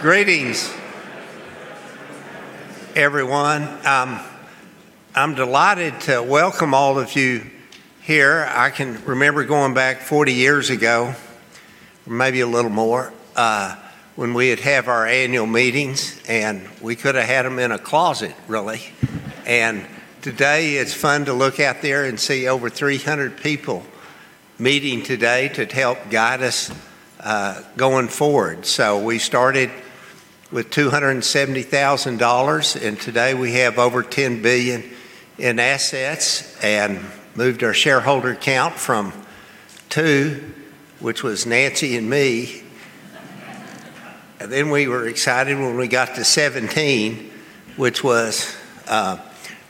Greetings, everyone. I'm delighted to welcome all of you here. I can remember going back 40 years ago, maybe a little more, when we'd have our annual meetings, we could've had them in a closet, really. Today, it's fun to look out there and see over 300 people meeting today to help guide us going forward. We started with $270,000, today we have over $10 billion in assets and moved our shareholder count from two, which was Nancy and me. We were excited when we got to 17 shareholders, which was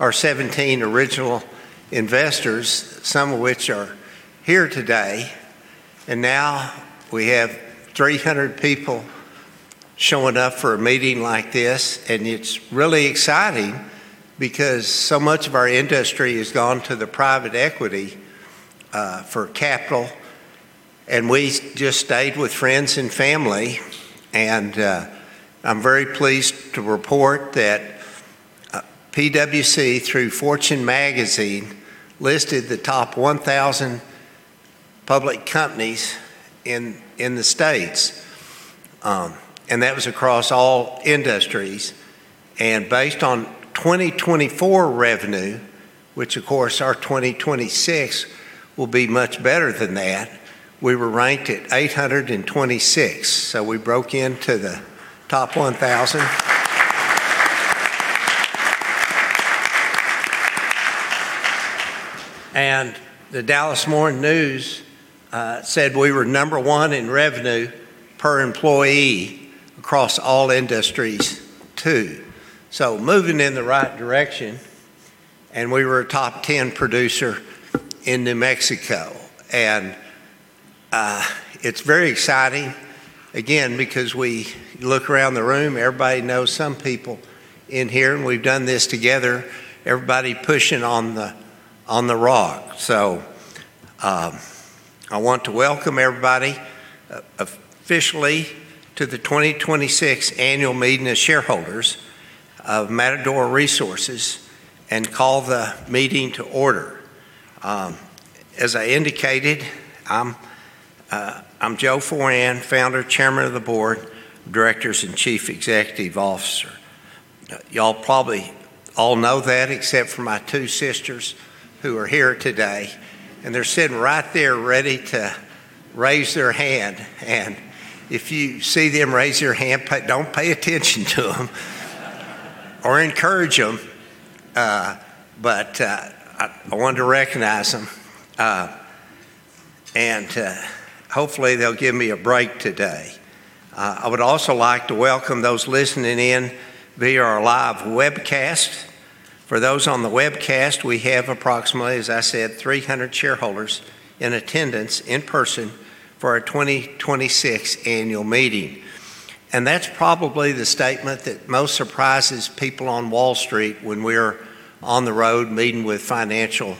our 17 original investors, some of which are here today. Now we have 300 people showing up for a meeting like this. It's really exciting because so much of our industry has gone to the private equity for capital, we just stayed with friends and family. I'm very pleased to report that PwC, through Fortune Magazine, listed the top 1,000 public companies in the U.S., that was across all industries. Based on 2024 revenue, which of course our 2026 will be much better than that, we were ranked at 826. We broke into the top 1,000. The Dallas Morning News said we were number one in revenue per employee across all industries, too. Moving in the right direction, we were a top 10 producer in New Mexico. It's very exciting, again, because we look around the room. Everybody knows some people in here, we've done this together, everybody pushing on the rock. I want to welcome everybody officially to the 2026 annual meeting of shareholders of Matador Resources Company and call the meeting to order. As I indicated, I'm Joseph Foran, Founder, Chairman of the Board of Directors, and Chief Executive Officer. Y'all probably all know that except for my two sisters who are here today, they're sitting right there ready to raise their hand. If you see them raise their hand, don't pay attention to them or encourage them. I wanted to recognize them. Hopefully they'll give me a break today. I would also like to welcome those listening in via our live webcast. For those on the webcast, we have approximately, as I said, 300 shareholders in attendance in person for our 2026 annual meeting. That's probably the statement that most surprises people on Wall Street when we're on the road meeting with financial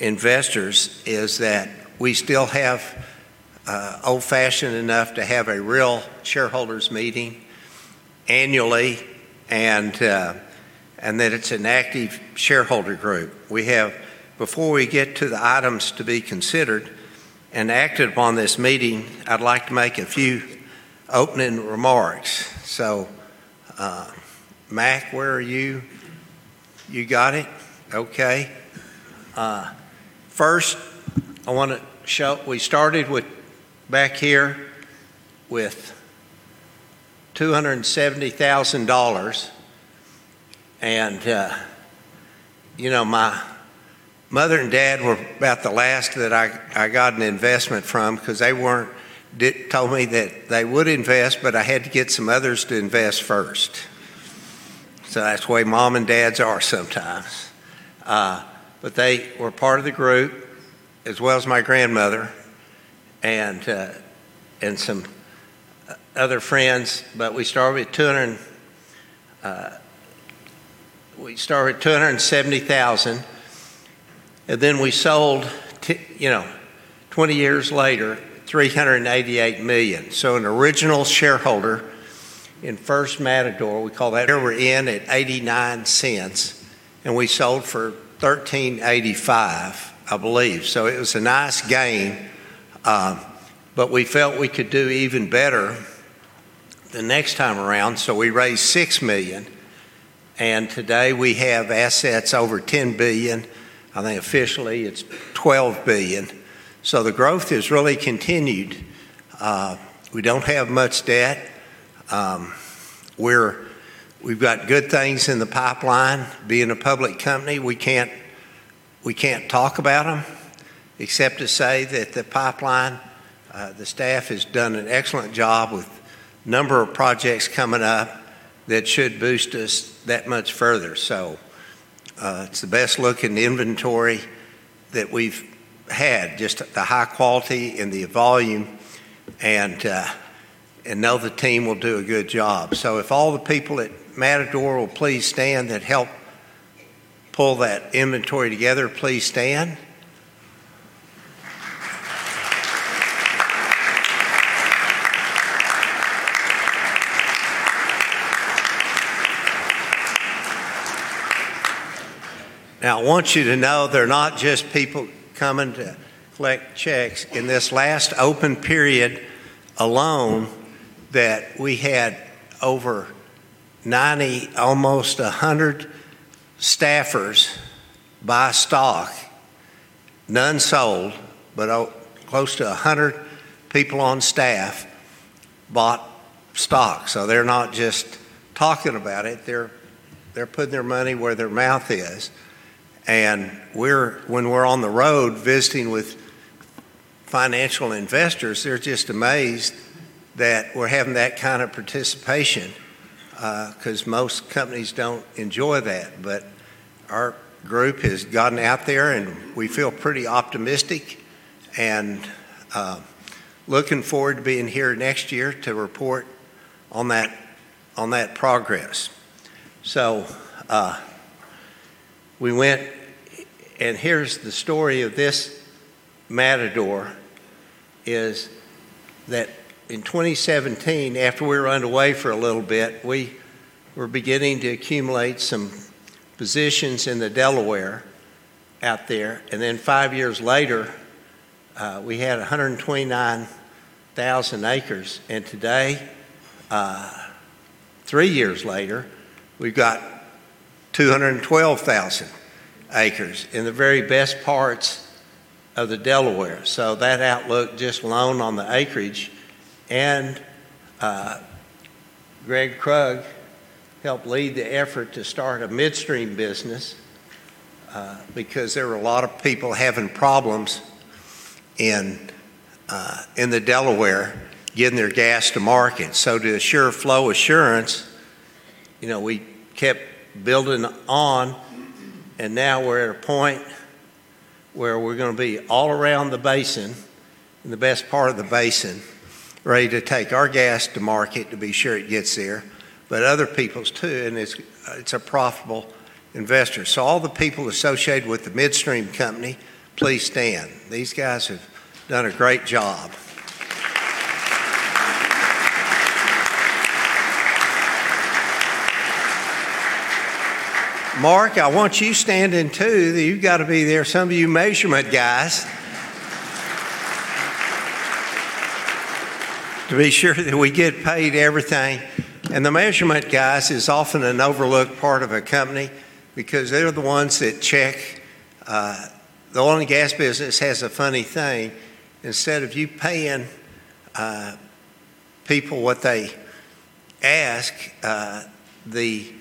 investors, is that we still have old-fashioned enough to have a real shareholders meeting annually and that it's an active shareholder group. Before we get to the items to be considered and acted upon this meeting, I'd like to make a few opening remarks. Mac, where are you? You got it? Okay. First, we started back here with $270,000. My mother and dad were about the last that I got an investment from because they told me that they would invest, I had to get some others to invest first. That's the way mom and dads are sometimes. They were part of the group, as well as my grandmother and some other friends. We started with $270,000. We sold, 20 years later, $388 million. An original shareholder in first Matador, we call that, they were in at $0.89, we sold for $13.85, I believe. It was a nice gain. We felt we could do even better the next time around. We raised $6 million. Today we have assets over $10 billion. I think officially it's $12 billion. The growth has really continued. We don't have much debt. We've got good things in the pipeline. Being a public company, we can't talk about them except to say that the pipeline, the staff has done an excellent job with a number of projects coming up that should boost us that much further. It's the best-looking inventory that we've had, just the high quality and the volume, and know the team will do a good job. If all the people at Matador will please stand that helped pull that inventory together, please stand. Now, I want you to know they're not just people coming to collect checks. In this last open period alone, that we had over 90 staffers, almost 100 staffers buy stock. None sold, but close to 100 people on staff bought stock. They're not just talking about it, they're putting their money where their mouth is. When we're on the road visiting with financial investors, they're just amazed that we're having that kind of participation, because most companies don't enjoy that. Our group has gotten out there, and we feel pretty optimistic, and looking forward to being here next year to report on that progress. We went, and here's the story of this Matador, is that in 2017, after we were underway for a little bit, we were beginning to accumulate some positions in the Delaware out there, and then five years later, we had 129,000 acres. Today, three years later, we've got 212,000 acres in the very best parts of the Delaware. That outlook just alone on the acreage. Greg Krug helped lead the effort to start a midstream business, because there were a lot of people having problems in the Delaware getting their gas to market. To assure flow assurance, we kept building on, and now we're at a point where we're going to be all around the basin, in the best part of the basin, ready to take our gas to market, to be sure it gets there, but other people's too, and it's a profitable investor. All the people associated with the midstream company, please stand. These guys have done a great job. Mark, I want you standing, too. You've got to be there. Some of you measurement guys. To be sure that we get paid everything. The measurement guys is often an overlooked part of a company, because they're the ones that check. The oil and gas business has a funny thing. Instead of you paying people what they ask, the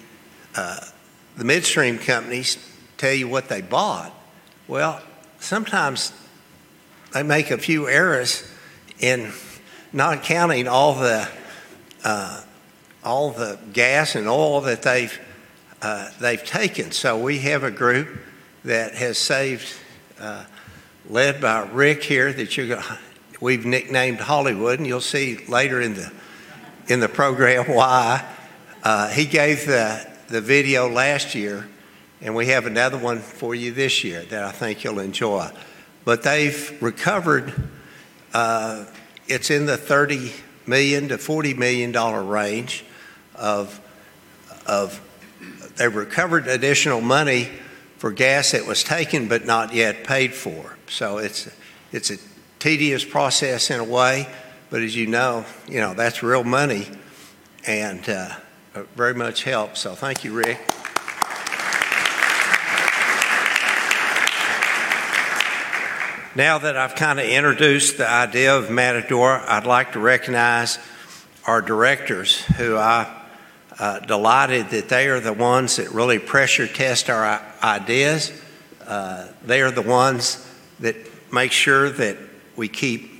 midstream companies tell you what they bought. Sometimes they make a few errors in not counting all the gas and oil that they've taken. We have a group that has saved, led by Rick here, that we've nicknamed Hollywood, and you'll see later in the program why. He gave the video last year, and we have another one for you this year that I think you'll enjoy. They've recovered, it's in the $30 million to $40 million range. They've recovered additional money for gas that was taken but not yet paid for. It's a tedious process in a way, but as you know, that's real money, and very much help. Thank you, Rick. Now that I've introduced the idea of Matador, I'd like to recognize our directors, who I am delighted that they are the ones that really pressure test our ideas. They are the ones that make sure that we keep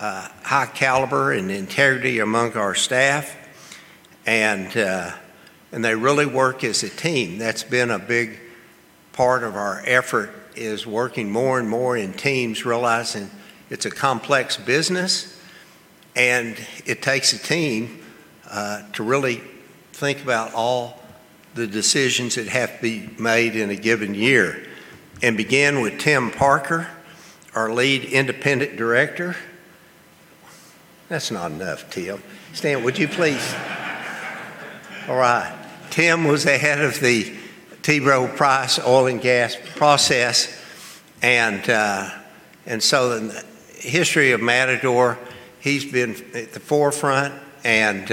a high caliber and integrity among our staff. They really work as a team. That's been a big part of our effort is working more and more in teams, realizing it's a complex business, and it takes a team to really think about all the decisions that have to be made in a given year. Begin with Timothy Parker, our lead independent director. That's not enough, Timothy. Stand, would you, please? All right. Timothy was the head of the T. Boone Pickens Oil & Gas process. In the history of Matador, he's been at the forefront, and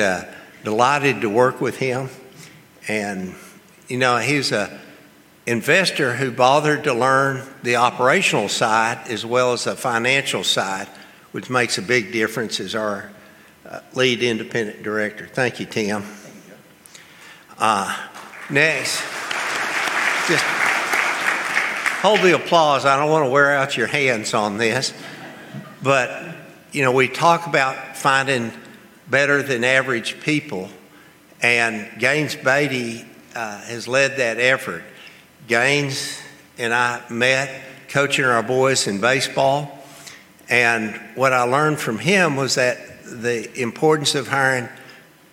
delighted to work with him. He's an investor who bothered to learn the operational side as well as the financial side, which makes a big difference as our lead independent director. Thank you, Timothy. Thank you. Next. Just hold the applause. I don't want to wear out your hands on this. We talk about finding better than average people, and Robert Gaines Baty has led that effort. Gaines and I met coaching our boys in baseball. What I learned from him was that the importance of hiring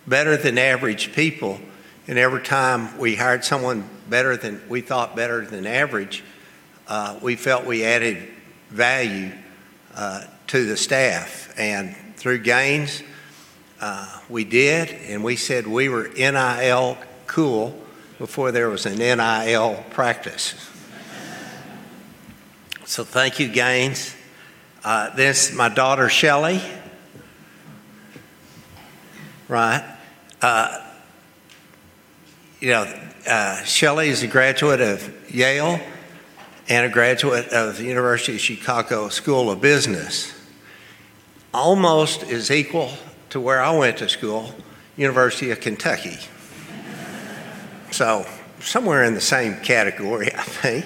better than average people. Every time we hired someone we thought better than average, we felt we added value to the staff. Through Gaines, we did, and we said we were NIL cool before there was an NIL practice. Thank you, Gaines. This is my daughter, Shelley. Right. Shelley is a graduate of Yale University and a graduate of the University of Chicago Booth School of Business. Almost is equal to where I went to school, University of Kentucky. Somewhere in the same category, I think.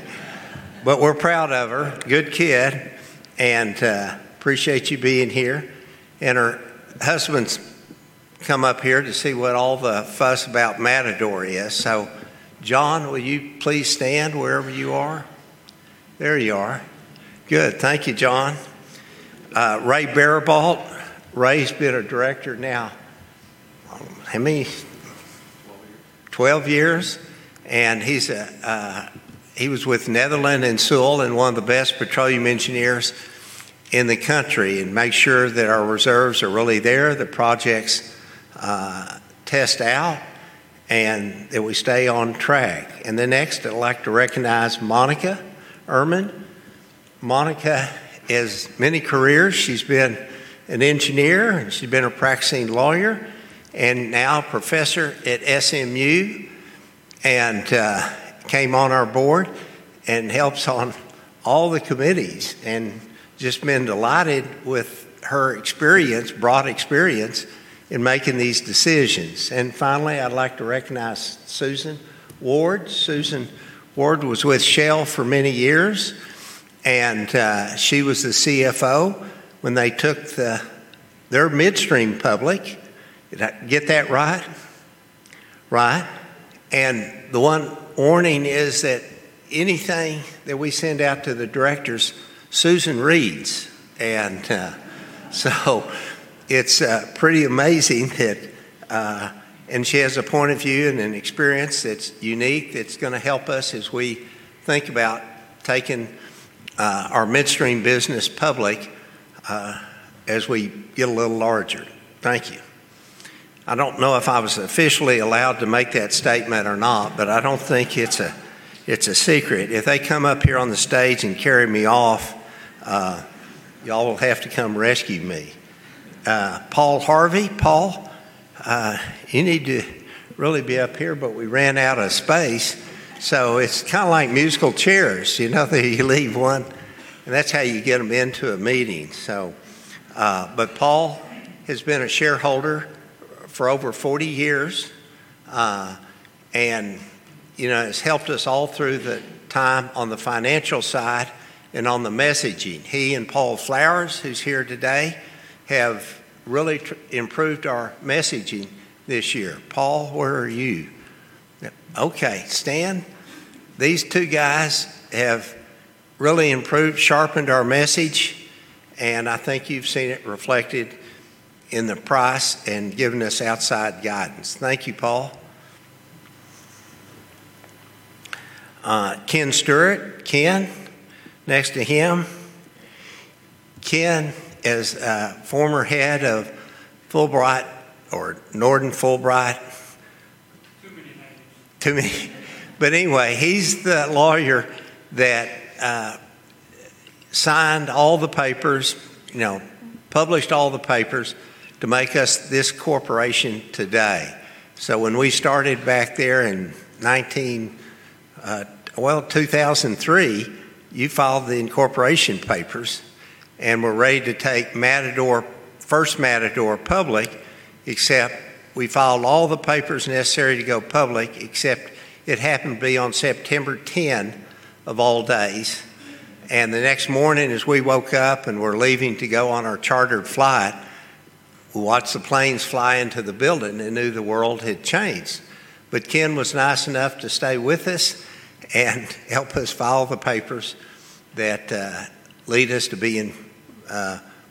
We're proud of her. Good kid. Appreciate you being here. Her husband's come up here to see what all the fuss about Matador is. John, will you please stand wherever you are? There you are. Good. Thank you, John. Rey Baribault. Rey been a director now how many? 12 years. 12 years. He was with Netherland, Sewell, and one of the best petroleum engineers in the country, and makes sure that our reserves are really there, the projects test out, and that we stay on track. Next, I'd like to recognize Monika Ehrman. Monika has many careers. She's been an engineer, and she's been a practicing lawyer, and now a professor at SMU. Came on our board and helps on all the committees, and just been delighted with her broad experience in making these decisions. Finally, I'd like to recognize Susan Ward. Susan Ward was with Shell for many years, and she was the CFO when they took their midstream public. Did I get that right? Right. The one warning is that anything that we send out to the directors, Susan reads. It's pretty amazing. She has a point of view and an experience that's unique, that's going to help us as we think about taking our midstream business public as we get a little larger. Thank you. I don't know if I was officially allowed to make that statement or not, but I don't think it's a secret. If they come up here on the stage and carry me off, you all will have to come rescue me. Paul Harvey. Paul, you need to really be up here, but we ran out of space, so it's kind of like musical chairs. You leave one, and that's how you get them into a meeting. Paul has been a shareholder for over 40 years, and has helped us all through the time on the financial side and on the messaging. He and Paul Flowers, who's here today, have really improved our messaging this year. Paul, where are you? Okay. Stan. These two guys have really sharpened our message, and I think you've seen it reflected in the price and giving us outside guidance. Thank you, Paul. Ken Stewart. Ken, next to him. Ken is a former head of Fulbright or Norton Rose Fulbright. Too many names. Too many. Anyway, he's the lawyer that signed all the papers, published all the papers to make us this corporation today. When we started back there in 2003, you filed the incorporation papers, and we're ready to take first Matador public, except we filed all the papers necessary to go public, except it happened to be on September 10 of all days. The next morning, as we woke up and we're leaving to go on our chartered flight, we watched the planes fly into the building and knew the world had changed. Ken was nice enough to stay with us and help us file the papers that lead us to being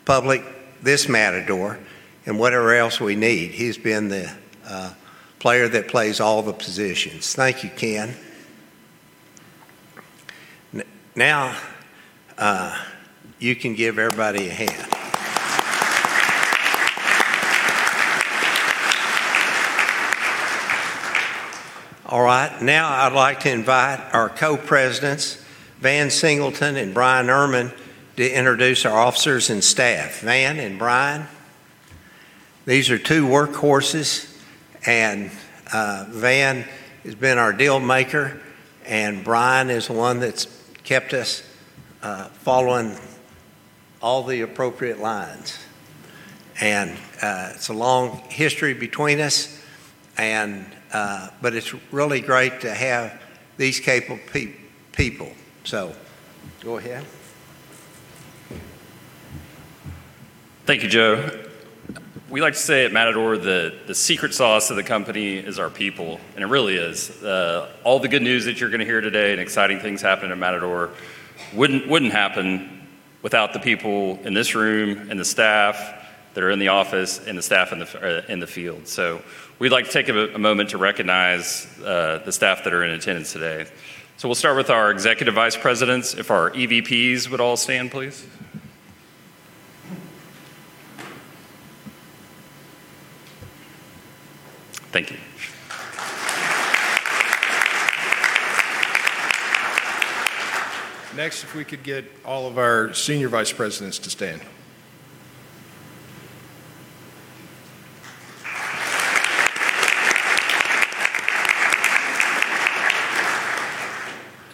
public, this Matador, and whatever else we need. He's been the player that plays all the positions. Thank you, Ken. You can give everybody a hand. All right. I'd like to invite our Co-Presidents, Van Singleton and Bryan A. Erman, to introduce our officers and staff. Van and Bryan, these are two workhorses. Van has been our deal maker. Bryan is the one that's kept us following all the appropriate lines. It's a long history between us, but it's really great to have these capable people. Go ahead. Thank you, Joseph. We like to say at Matador that the secret sauce of the company is our people, and it really is. All the good news that you're going to hear today and exciting things happening at Matador wouldn't happen without the people in this room and the staff that are in the office and the staff in the field. We'd like to take a moment to recognize the staff that are in attendance today. We'll start with our Executive Vice Presidents. If our Executive Vice Presidents would all stand, please. Thank you. Next, if we could get all of our Senior Vice Presidents to stand.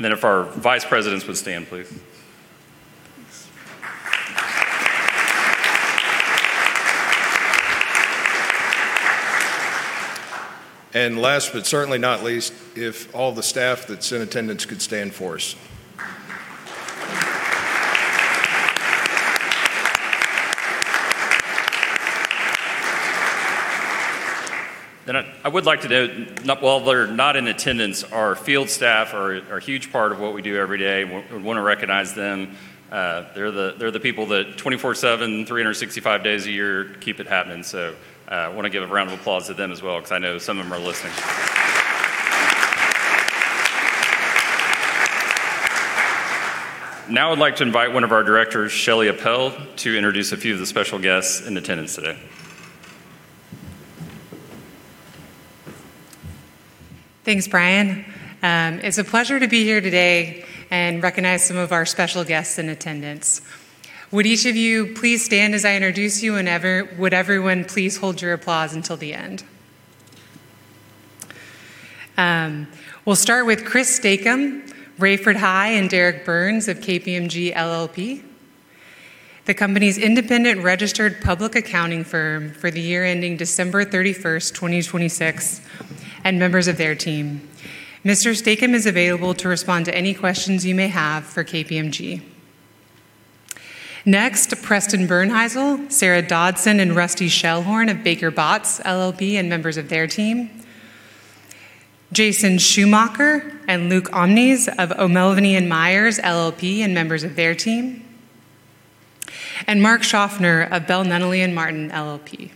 If our Vice Presidents would stand, please. Last but certainly not least, if all the staff that's in attendance could stand for us. I would like to note, while they're not in attendance, our field staff are a huge part of what we do every day. We want to recognize them. They're the people that 24/7, 365 days a year keep it happening. I want to give a round of applause to them as well because I know some of them are listening. I'd like to invite one of our directors, Shelley Appel, to introduce a few of the special guests in attendance today. Thanks, Bryan. It's a pleasure to be here today and recognize some of our special guests in attendance. Would each of you please stand as I introduce you? Would everyone please hold your applause until the end? We'll start with Chris Stakem, Rayford High, and Derek Burns of KPMG LLP, the company's independent registered public accounting firm for the year ending December 31st, 2026, and members of their team. Mr. Stakem is available to respond to any questions you may have for KPMG. Next, Preston Bernhisel, Sarah Dodson, and Rusty Shellhorn of Baker Botts L.L.P., and members of their team; Jason Schumacher and Luke Ohnmeis of O'Melveny & Myers LLP, and members of their team; and Mark Shoffner of Bell, Nunnally & Martin LLP.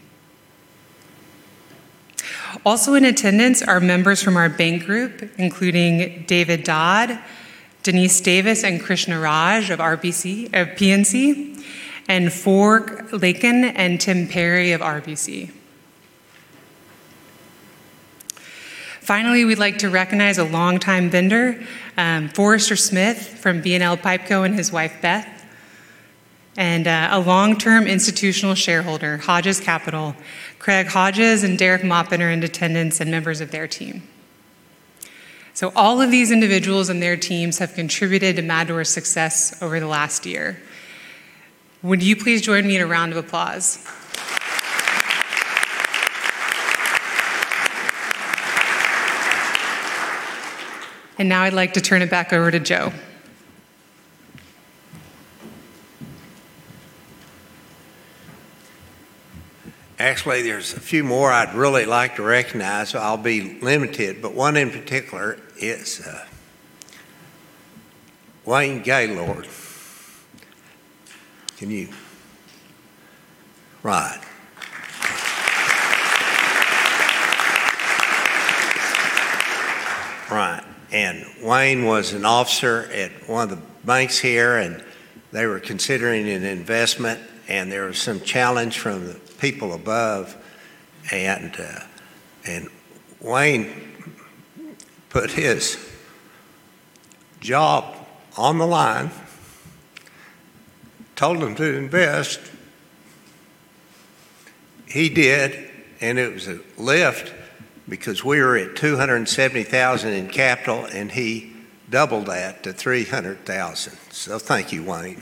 Also in attendance are members from our bank group, including David Dodd, Denise Davis, and Krishna Raj of PNC, and Dirk Lakin and Tim Perry of RBC. Finally, we'd like to recognize a longtime vendor, Forrester Smith from BNL PipeCo and his wife Beth, and a long-term institutional shareholder, Hodges Capital. Craig Hodges and Derek Maupin are in attendance and members of their team. All of these individuals and their teams have contributed to Matador's success over the last year. Would you please join me in a round of applause? I'd like to turn it back over to Joseph. Actually, there's a few more I'd really like to recognize. I'll be limited, but one in particular is Wayne Gaylord. Right. Right. Wayne was an officer at one of the banks here, and they were considering an investment, and there was some challenge from the people above. Wayne put his job on the line, told them to invest. He did, and it was a lift because we were at $270,000 in capital, and he doubled that to $300,000. Thank you, Wayne.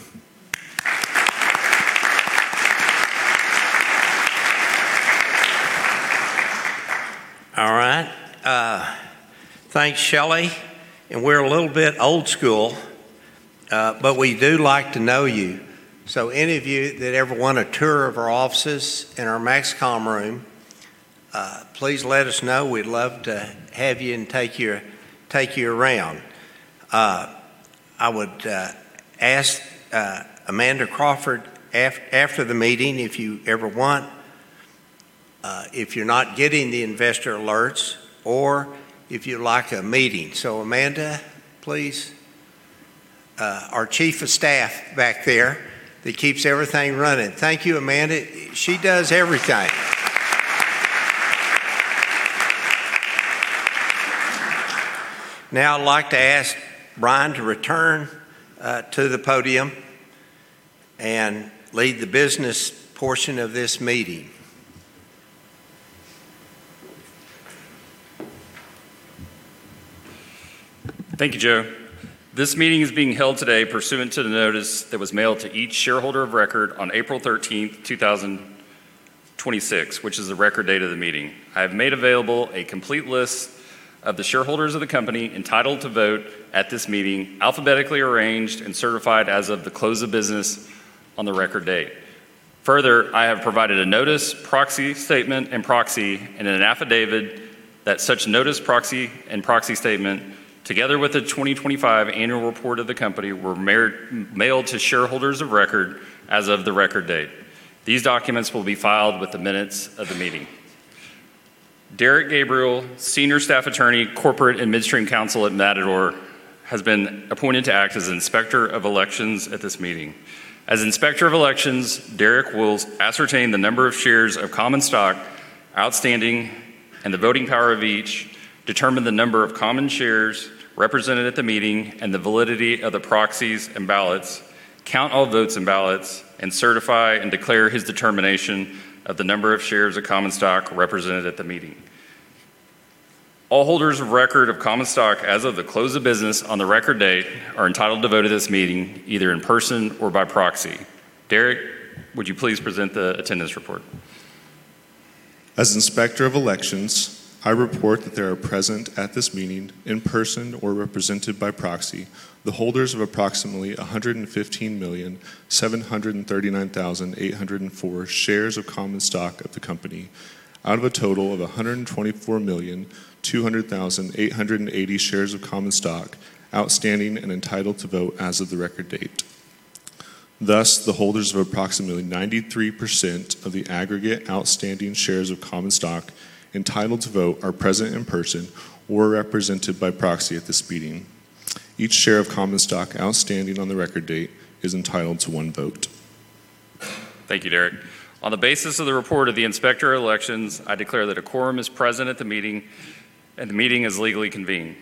All right. Thanks, Shelley. We're a little bit old school, but we do like to know you. Any of you that ever want a tour of our offices and our MAXCOM room, please let us know. We'd love to have you and take you around. I would ask Amanda Crawford, after the meeting, if you ever want, if you're not getting the investor alerts or if you'd like a meeting. Amanda, please, our Chief of Staff back there that keeps everything running. Thank you, Amanda. She does everything. Now I'd like to ask Bryan to return to the podium and lead the business portion of this meeting. Thank you, Joseph. This meeting is being held today pursuant to the notice that was mailed to each shareholder of record on April 13th, 2026, which is the record date of the meeting. I have made available a complete list of the shareholders of the company entitled to vote at this meeting, alphabetically arranged and certified as of the close of business on the record date. Further, I have provided a notice, proxy statement and proxy, and an affidavit that such notice, proxy, and proxy statement, together with the 2025 annual report of the company, were mailed to shareholders of record as of the record date. These documents will be filed with the minutes of the meeting. Derek Gabriel, Senior Staff Attorney, Corporate and Administrative Counsel at Matador, has been appointed to act as Inspector of Elections at this meeting. As Inspector of Elections, Derek will ascertain the number of shares of common stock outstanding and the voting power of each, determine the number of common shares represented at the meeting and the validity of the proxies and ballots, count all votes and ballots, and certify and declare his determination of the number of shares of common stock represented at the meeting. All holders of record of common stock as of the close of business on the record date are entitled to vote at this meeting, either in person or by proxy. Derek, would you please present the attendance report? As Inspector of Elections, I report that there are present at this meeting, in person or represented by proxy, the holders of approximately 115,739,804 shares of common stock of the company, out of a total of 124,200,880 shares of common stock outstanding and entitled to vote as of the record date. Thus, the holders of approximately 93% of the aggregate outstanding shares of common stock entitled to vote are present in person or represented by proxy at this meeting. Each share of common stock outstanding on the record date is entitled to one vote. Thank you, Derek. On the basis of the report of the Inspector of Elections, I declare that a quorum is present at the meeting and the meeting is legally convened.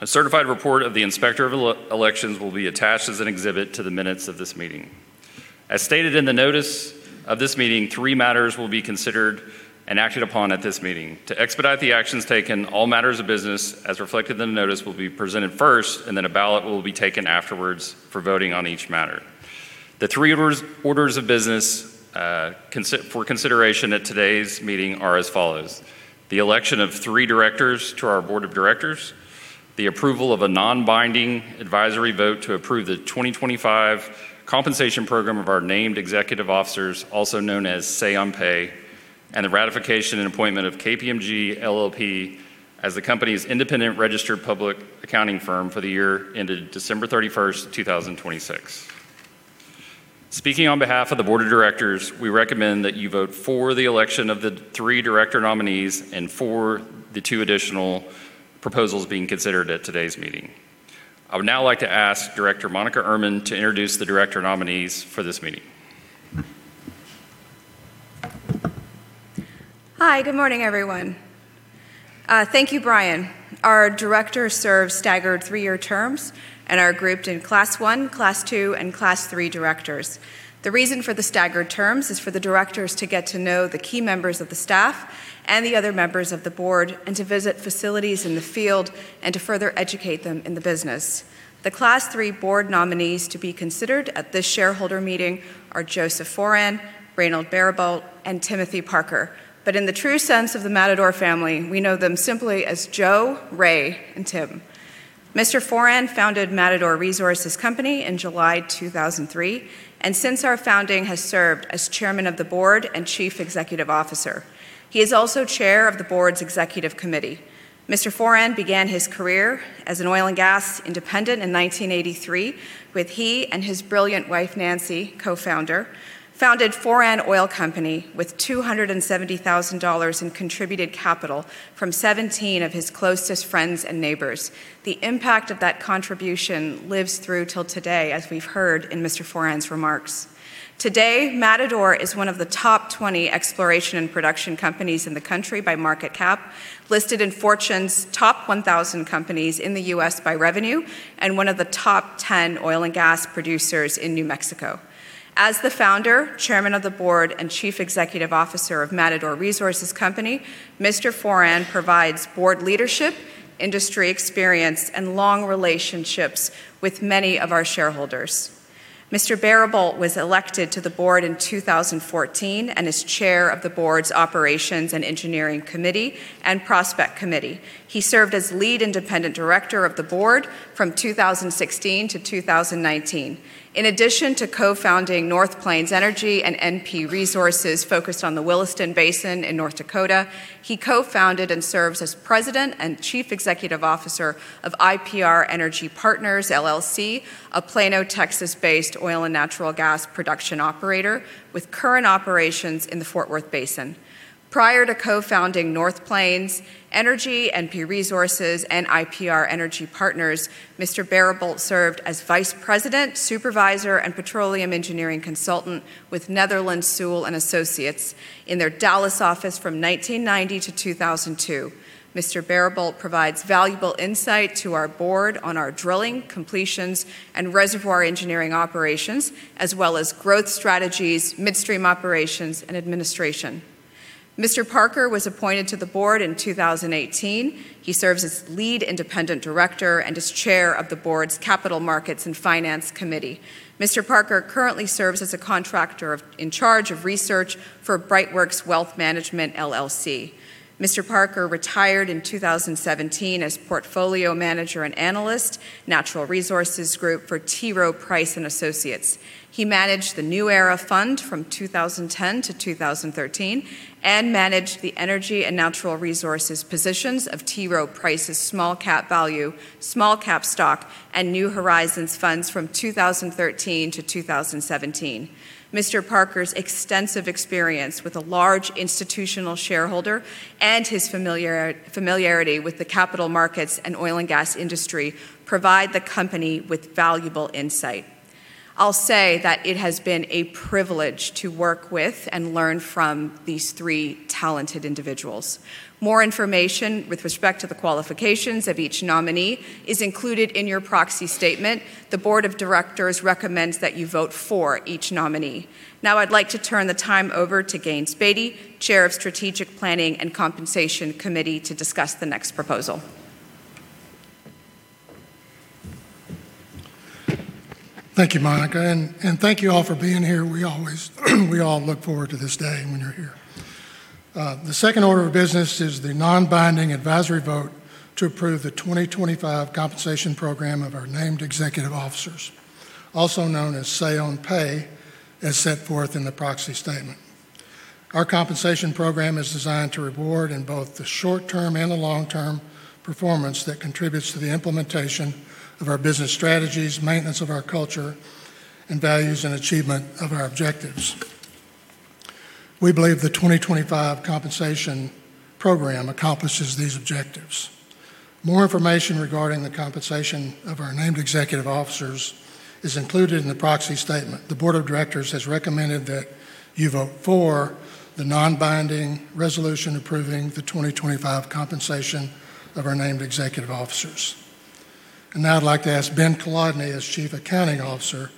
A certified report of the Inspector of Elections will be attached as an exhibit to the minutes of this meeting. As stated in the notice of this meeting, three matters will be considered and acted upon at this meeting. To expedite the actions taken, all matters of business, as reflected in the notice, will be presented first, then a ballot will be taken afterwards for voting on each matter. The three orders of business for consideration at today's meeting are as follows: the election of three directors to our board of directors, the approval of a non-binding advisory vote to approve the 2025 compensation program of our named executive officers, also known as Say on Pay, the ratification and appointment of KPMG LLP as the company's independent registered public accounting firm for the year ended December 31st, 2026. Speaking on behalf of the board of directors, we recommend that you vote for the election of the three director nominees and for the two additional proposals being considered at today's meeting. I would now like to ask Director Monika Ehrman to introduce the director nominees for this meeting. Hi. Good morning, everyone. Thank you, Bryan. Our directors serve staggered three-year terms and are grouped in Class 1, Class 2, and Class 3 directors. The reason for the staggered terms is for the directors to get to know the key members of the staff and the other members of the board, to visit facilities in the field and to further educate them in the business. The Class 3 board nominees to be considered at this shareholder meeting are Joseph Foran, Reynald Baribault, and Timothy Parker. In the true sense of the Matador family, we know them simply as Joseph, Ray, and Timothy. Mr. Foran founded Matador Resources Company in July 2003, since our founding, has served as Chairman of the Board and Chief Executive Officer. He is also Chair of the Board's Executive Committee. Mr. Foran began his career as an oil and gas independent in 1983, when he and his brilliant wife, Nancy, Co-Founder, founded Foran Oil Company with $270,000 in contributed capital from 17 of his closest friends and neighbors. The impact of that contribution lives through till today, as we've heard in Mr. Foran's remarks. Today, Matador is one of the top 20 exploration and production companies in the country by market cap, listed in Fortune's top 1,000 companies in the U.S. by revenue, and one of the top 10 oil and gas producers in New Mexico. As the Founder, Chairman of the Board, and Chief Executive Officer of Matador Resources Company, Mr. Foran provides board leadership, industry experience, and long relationships with many of our shareholders. Mr. Baribault was elected to the board in 2014 and is Chair of the Board's Operations and Engineering Committee and Prospect Committee. He served as Lead Independent Director of the board from 2016-2019. In addition to co-founding North Plains Energy and NP Resources, focused on the Williston Basin in North Dakota, he co-founded and serves as President and Chief Executive Officer of IPR Energy Partners, LLC, a Plano, Texas-based oil and natural gas production operator with current operations in the Fort Worth Basin. Prior to co-founding North Plains Energy, NP Resources, and IPR Energy Partners, Mr. Baribault served as Vice President, Supervisor, and Petroleum Engineering Consultant with Netherland, Sewell & Associates in their Dallas office from 1990-2002. Mr. Baribault provides valuable insight to our board on our drilling, completions, and reservoir engineering operations, as well as growth strategies, midstream operations, and administration. Mr. Parker was appointed to the board in 2018. He serves as Lead Independent Director and is Chair of the Board's Capital Markets and Finance Committee. Mr. Parker currently serves as a contractor in charge of research for Brightworks Wealth Management, LLC. Mr. Parker retired in 2017 as Portfolio Manager and Analyst, Natural Resources Group for T. Rowe Price. He managed the New Era Fund from 2010-2013 and managed the energy and natural resources positions of T. Rowe Price's Small-Cap Value, Small-Cap Stock, and New Horizons funds from 2013 to 2017. Mr. Parker's extensive experience with a large institutional shareholder and his familiarity with the capital markets and oil and gas industry provide the company with valuable insight. I'll say that it has been a privilege to work with and learn from these three talented individuals. More information with respect to the qualifications of each nominee is included in your proxy statement. The board of directors recommends that you vote for each nominee. I'd like to turn the time over to Gaines Baty, Chair of Strategic Planning and Compensation Committee, to discuss the next proposal. Thank you, Monika, and thank you all for being here. We all look forward to this day when you're here. The second order of business is the non-binding advisory vote to approve the 2025 compensation program of our named executive officers, also known as Say on Pay, as set forth in the proxy statement. Our compensation program is designed to reward in both the short-term and the long-term performance that contributes to the implementation of our business strategies, maintenance of our culture and values, and achievement of our objectives. We believe the 2025 compensation program accomplishes these objectives. More information regarding the compensation of our named executive officers is included in the proxy statement. The board of directors has recommended that you vote for the non-binding resolution approving the 2025 compensation of our named executive officers. I'd like to ask Ben Colodney, as Chief Accounting Officer,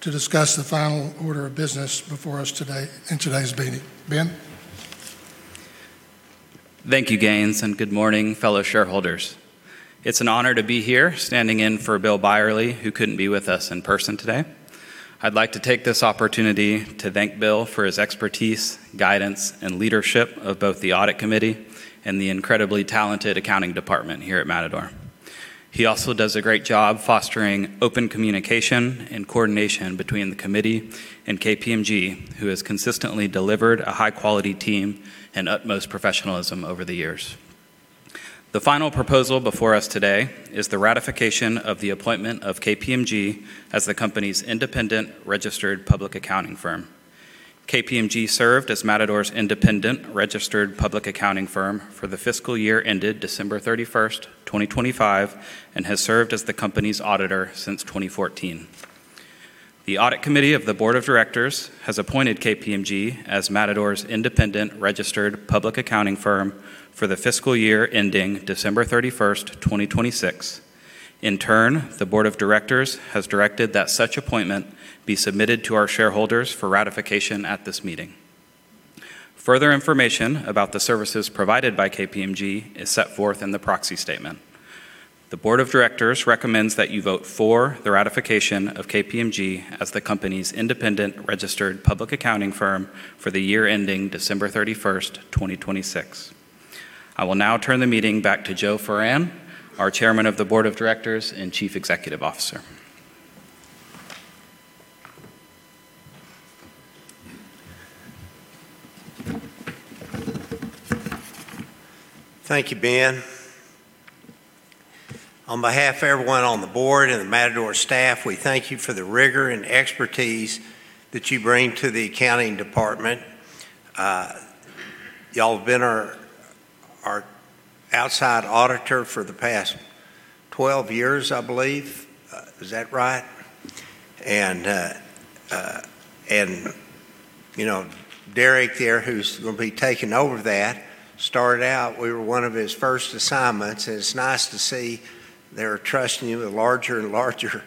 to discuss the final order of business before us in today's meeting. Ben? Thank you, Gaines, good morning, fellow shareholders. It's an honor to be here standing in for Bill Byerley, who couldn't be with us in person today. I'd like to take this opportunity to thank Bill for his expertise, guidance, and leadership of both the audit committee and the incredibly talented accounting department here at Matador. He also does a great job fostering open communication and coordination between the committee and KPMG, who has consistently delivered a high-quality team and utmost professionalism over the years. The final proposal before us today is the ratification of the appointment of KPMG as the company's independent registered public accounting firm. KPMG served as Matador's independent registered public accounting firm for the fiscal year ended December 31st, 2025, and has served as the company's auditor since 2014. The audit committee of the board of directors has appointed KPMG as Matador's independent registered public accounting firm for the fiscal year ending December 31st, 2026. In turn, the board of directors has directed that such appointment be submitted to our shareholders for ratification at this meeting. Further information about the services provided by KPMG is set forth in the proxy statement. The board of directors recommends that you vote for the ratification of KPMG as the company's independent registered public accounting firm for the year ending December 31st, 2026. I will now turn the meeting back to Joseph Foran, our Chairman of the Board of Directors and Chief Executive Officer. Thank you, Ben. On behalf of everyone on the board and the Matador staff, we thank you for the rigor and expertise that you bring to the accounting department. You all have been our outside auditor for the past 12 years, I believe. Is that right? Derek there, who's going to be taking over that, started out, we were one of his first assignments, and it's nice to see they're trusting you with larger and larger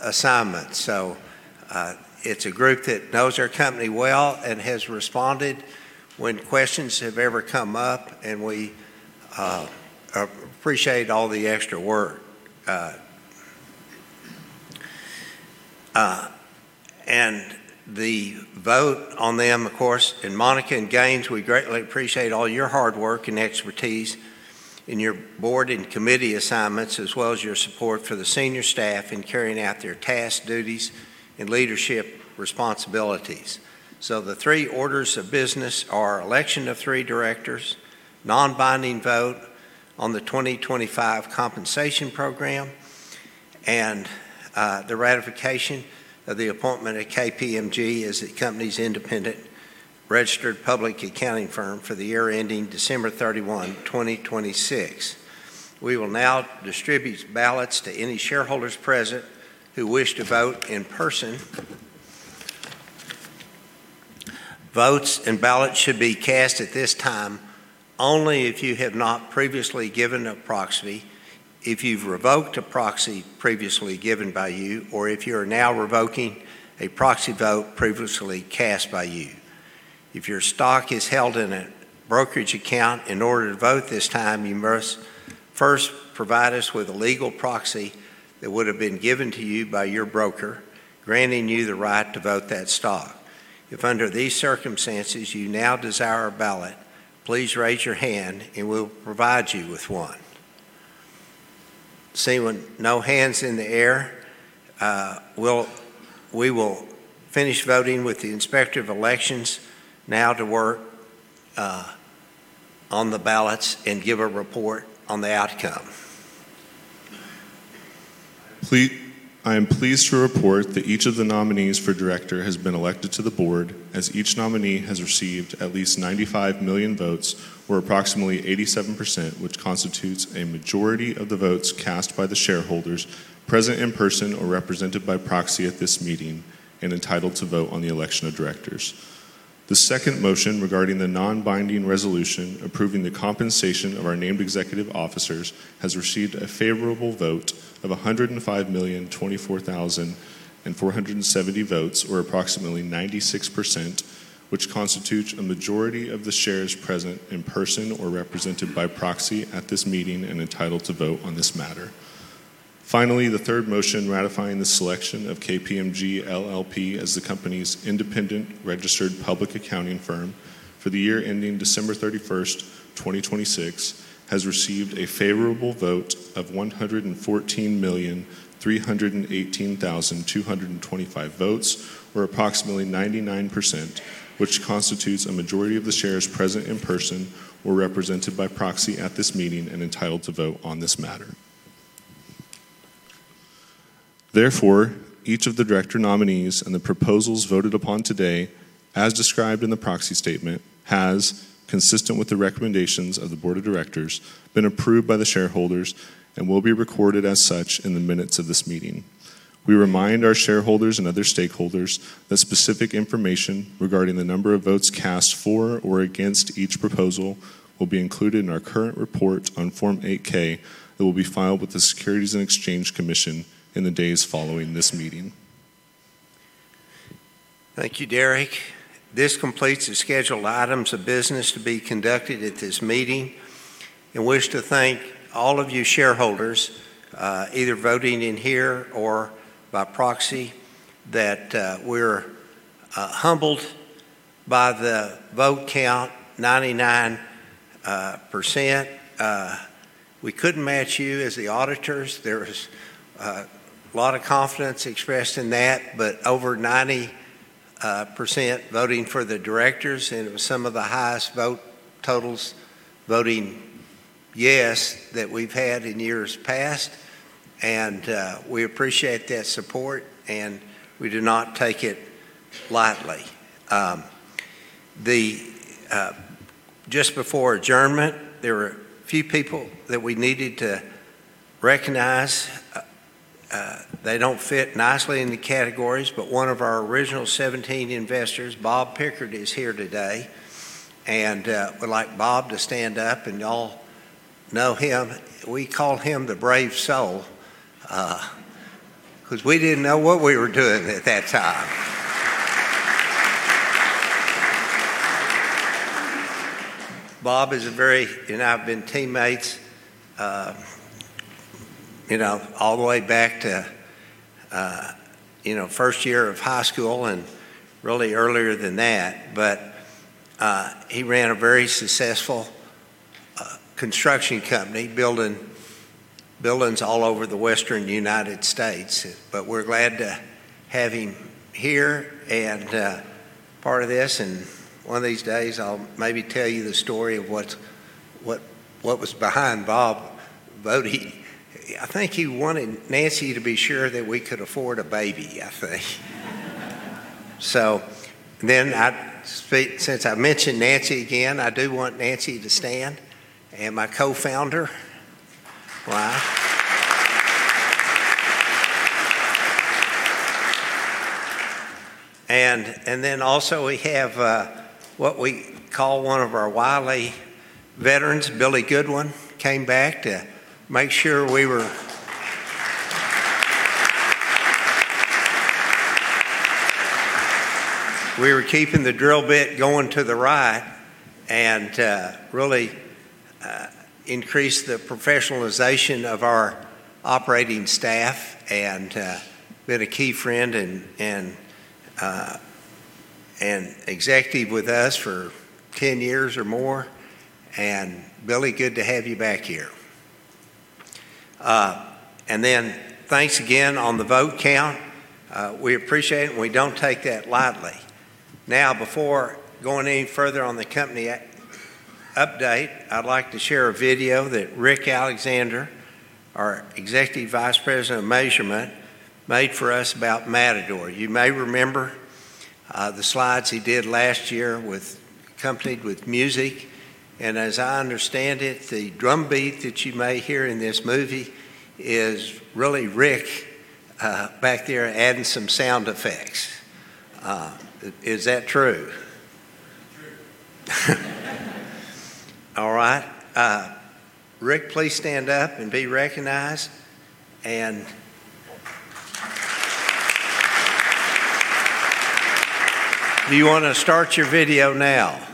assignments. It's a group that knows our company well and has responded when questions have ever come up, and we appreciate all the extra work. The vote on them, of course, Monika and Gaines, we greatly appreciate all your hard work and expertise in your board and committee assignments, as well as your support for the senior staff in carrying out their tasks, duties, and leadership responsibilities. The three orders of business are election of three directors, non-binding vote on the 2025 compensation program, and the ratification of the appointment of KPMG as the company's independent registered public accounting firm for the year ending December 31st, 2026. We will now distribute ballots to any shareholders present who wish to vote in person. Votes and ballots should be cast at this time only if you have not previously given a proxy, if you have revoked a proxy previously given by you, or if you are now revoking a proxy vote previously cast by you. If your stock is held in a brokerage account, in order to vote this time, you must first provide us with a legal proxy that would have been given to you by your broker, granting you the right to vote that stock. If under these circumstances you now desire a ballot, please raise your hand and we will provide you with one. Seeing no hands in the air, we will finish voting with the Inspector of Elections now to work on the ballots and give a report on the outcome. I am pleased to report that each of the nominees for director has been elected to the board, as each nominee has received at least 95 million votes, or approximately 87%, which constitutes a majority of the votes cast by the shareholders present in person or represented by proxy at this meeting, and entitled to vote on the election of directors. The second motion regarding the non-binding resolution approving the compensation of our named executive officers has received a favorable vote of 105,024,470 votes, or approximately 96%, which constitutes a majority of the shares present in person or represented by proxy at this meeting and entitled to vote on this matter. Finally, the third motion ratifying the selection of KPMG LLP as the company's independent registered public accounting firm for the year ending December 31, 2026, has received a favorable vote of 114,318,225 votes, or approximately 99%, which constitutes a majority of the shares present in person or represented by proxy at this meeting and entitled to vote on this matter. Therefore, each of the director nominees and the proposals voted upon today, as described in the proxy statement, has, consistent with the recommendations of the board of directors, been approved by the shareholders and will be recorded as such in the minutes of this meeting. We remind our shareholders and other stakeholders that specific information regarding the number of votes cast for or against each proposal will be included in our current report on Form 8-K that will be filed with the Securities and Exchange Commission in the days following this meeting. Thank you, Derek. This completes the scheduled items of business to be conducted at this meeting. Wish to thank all of you shareholders, either voting in here or by proxy, that we're humbled by the vote count, 99%. We couldn't match you as the auditors. There was a lot of confidence expressed in that, over 90% voting for the directors, and it was some of the highest vote totals voting yes that we've had in years past. We appreciate that support, and we do not take it lightly. Just before adjournment, there were a few people that we needed to recognize. They don't fit nicely in the categories, one of our original 17 investors, Bob Pickard, is here today, and we'd like Bob to stand up. You all know him. We call him the brave soul, because we didn't know what we were doing at that time. I've been teammates all the way back to first year of high school and really earlier than that. He ran a very successful construction company building buildings all over the Western United States. We're glad to have him here and part of this. One of these days, I'll maybe tell you the story of what was behind Bob voting. I think he wanted Nancy to be sure that we could afford a baby, I think. Since I mentioned Nancy, again, I do want Nancy to stand and my co-founder. Wow. Also, we have what we call one of our wily veterans, Billy Goodwin, came back to make sure we were keeping the drill bit going to the right and really increase the professionalization of our operating staff and been a key friend and executive with us for 10 years or more. Billy, good to have you back here. Thanks again on the vote count. We appreciate it, and we don't take that lightly. Now, before going any further on the company update, I'd like to share a video that Rick Alexander, our Executive Vice President of Measurement, made for us about Matador. You may remember the slides he did last year accompanied with music. As I understand it, the drumbeat that you may hear in this movie is really Rick back there adding some sound effects. Is that true? True. Rick, please stand up and be recognized. Do you want to start your video now?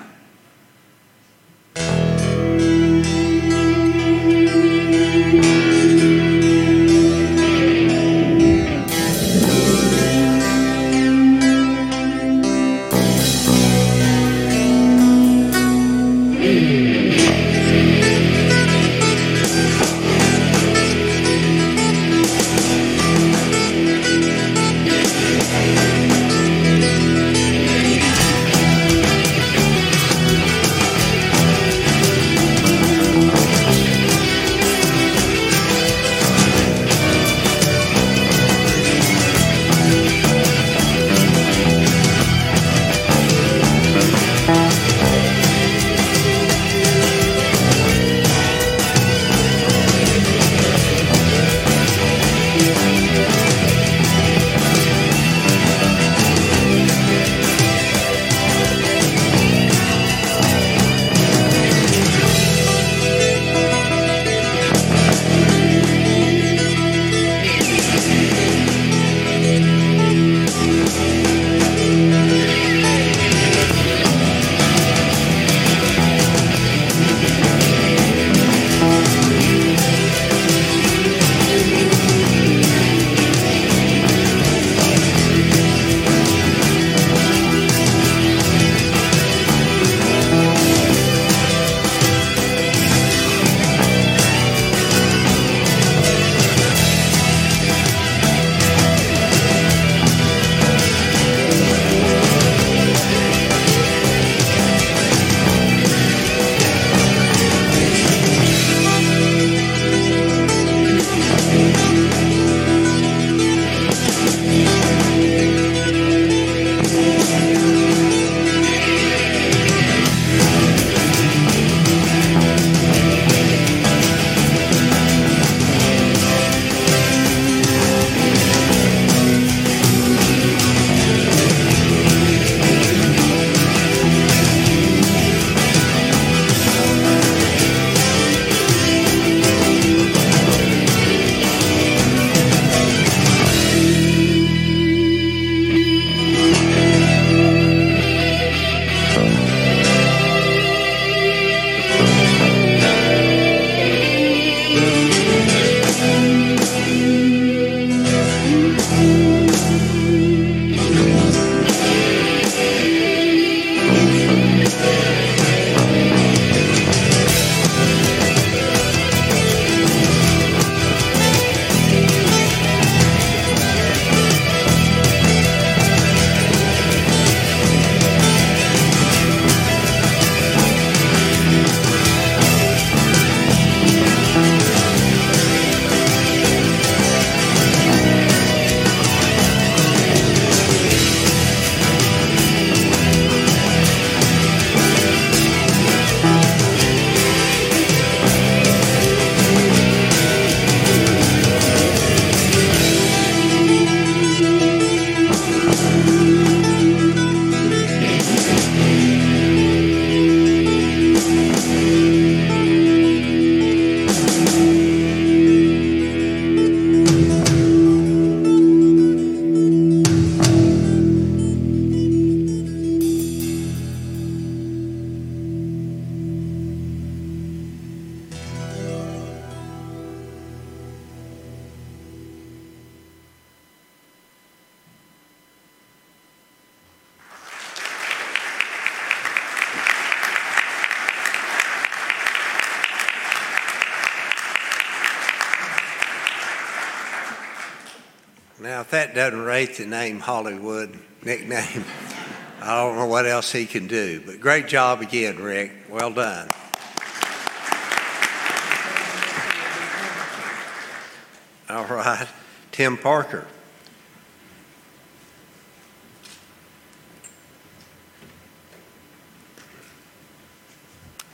If that doesn't rate the name Hollywood nickname, I don't know what else he can do. Great job again, Rick. Well done. All right, Timothy Parker.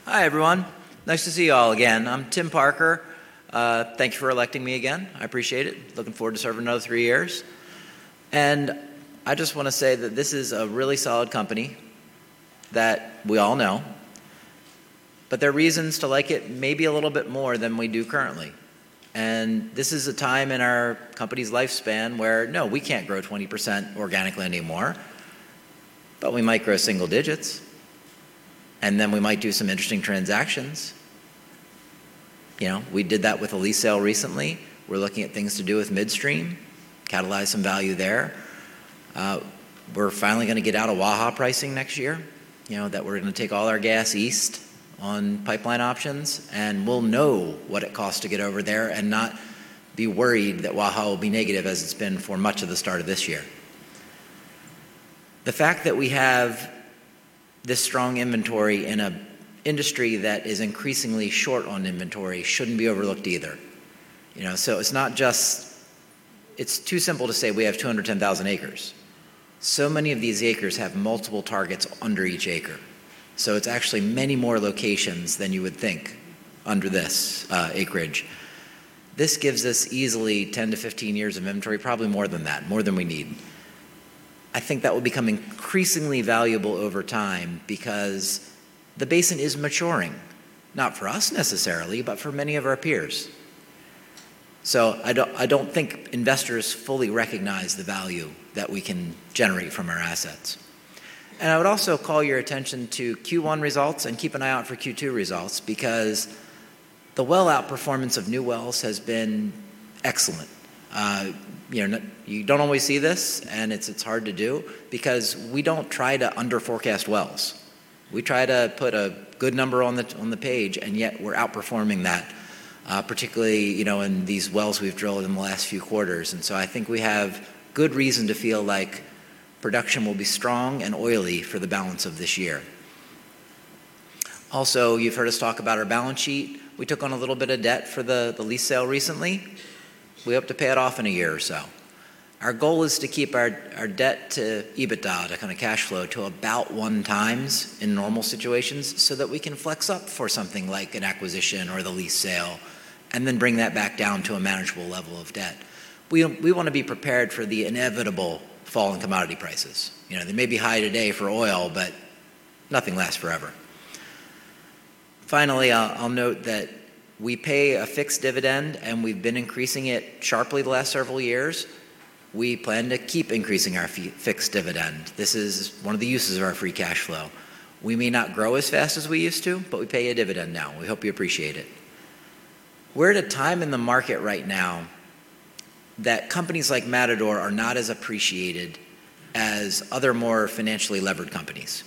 Hi, everyone. Nice to see you all again. I'm Timothy Parker. Thank you for electing me again. I appreciate it. Looking forward to serving another three years. I just want to say that this is a really solid company, that we all know, there are reasons to like it maybe a little bit more than we do currently. This is a time in our company's lifespan where, no, we can't grow 20% organically anymore, we might grow single digits, we might do some interesting transactions. We did that with a lease sale recently. We're looking at things to do with midstream, catalyze some value there. We're finally going to get out of Waha pricing next year, that we're going to take all our gas east on pipeline options, we'll know what it costs to get over there and not be worried that Waha will be negative as it's been for much of the start of this year. The fact that we have this strong inventory in an industry that is increasingly short on inventory shouldn't be overlooked either. It's too simple to say we have 210,000 acres. Many of these acres have multiple targets under each acre, it's actually many more locations than you would think under this acreage. This gives us easily 10-15 years of inventory, probably more than that, more than we need. I think that will become increasingly valuable over time because the basin is maturing. Not for us necessarily, for many of our peers. I don't think investors fully recognize the value that we can generate from our assets. I would also call your attention to Q1 results and keep an eye out for Q2 results because the well outperformance of new wells has been excellent. You don't always see this, it's hard to do because we don't try to under forecast wells. We try to put a good number on the page, yet we're outperforming that, particularly in these wells we've drilled in the last few quarters. I think we have good reason to feel like production will be strong and oily for the balance of this year. Also, you've heard us talk about our balance sheet. We took on a little bit of debt for the lease sale recently. We hope to pay it off in a year or so. Our goal is to keep our debt to EBITDA, the kind of cash flow, to about 1x in normal situations so that we can flex up for something like an acquisition or the lease sale, and then bring that back down to a manageable level of debt. We want to be prepared for the inevitable fall in commodity prices. They may be high today for oil. Nothing lasts forever. Finally, I'll note that we pay a fixed dividend, and we've been increasing it sharply the last several years. We plan to keep increasing our fixed dividend. This is one of the uses of our free cash flow. We may not grow as fast as we used to, but we pay a dividend now. We hope you appreciate it. We're at a time in the market right now that companies like Matador are not as appreciated as other more financially levered companies.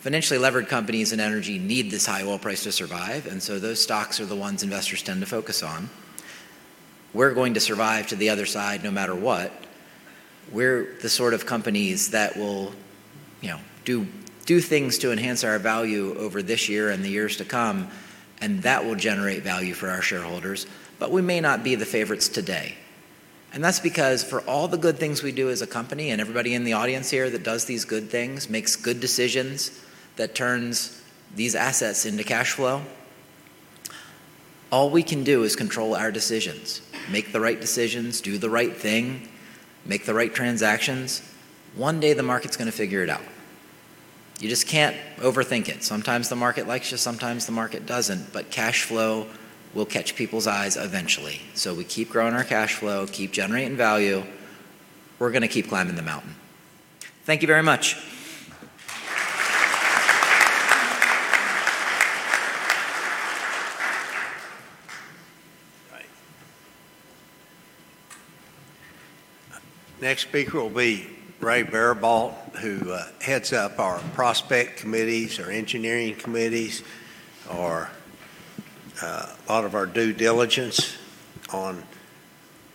Financially levered companies in energy need this high oil price to survive, so those stocks are the ones investors tend to focus on. We're going to survive to the other side no matter what. We're the sort of companies that will do things to enhance our value over this year and the years to come, and that will generate value for our shareholders. We may not be the favorites today, and that's because for all the good things we do as a company and everybody in the audience here that does these good things, makes good decisions, that turns these assets into cash flow, all we can do is control our decisions, make the right decisions, do the right thing, make the right transactions. One day, the market's going to figure it out. You just can't overthink it. Sometimes the market likes you, sometimes the market doesn't. Cash flow will catch people's eyes eventually. We keep growing our cash flow, keep generating value. We're going to keep climbing the mountain. Thank you very much. Right. Next speaker will be Ray Baribault, who heads up our prospect committees, our engineering committees, a lot of our due diligence on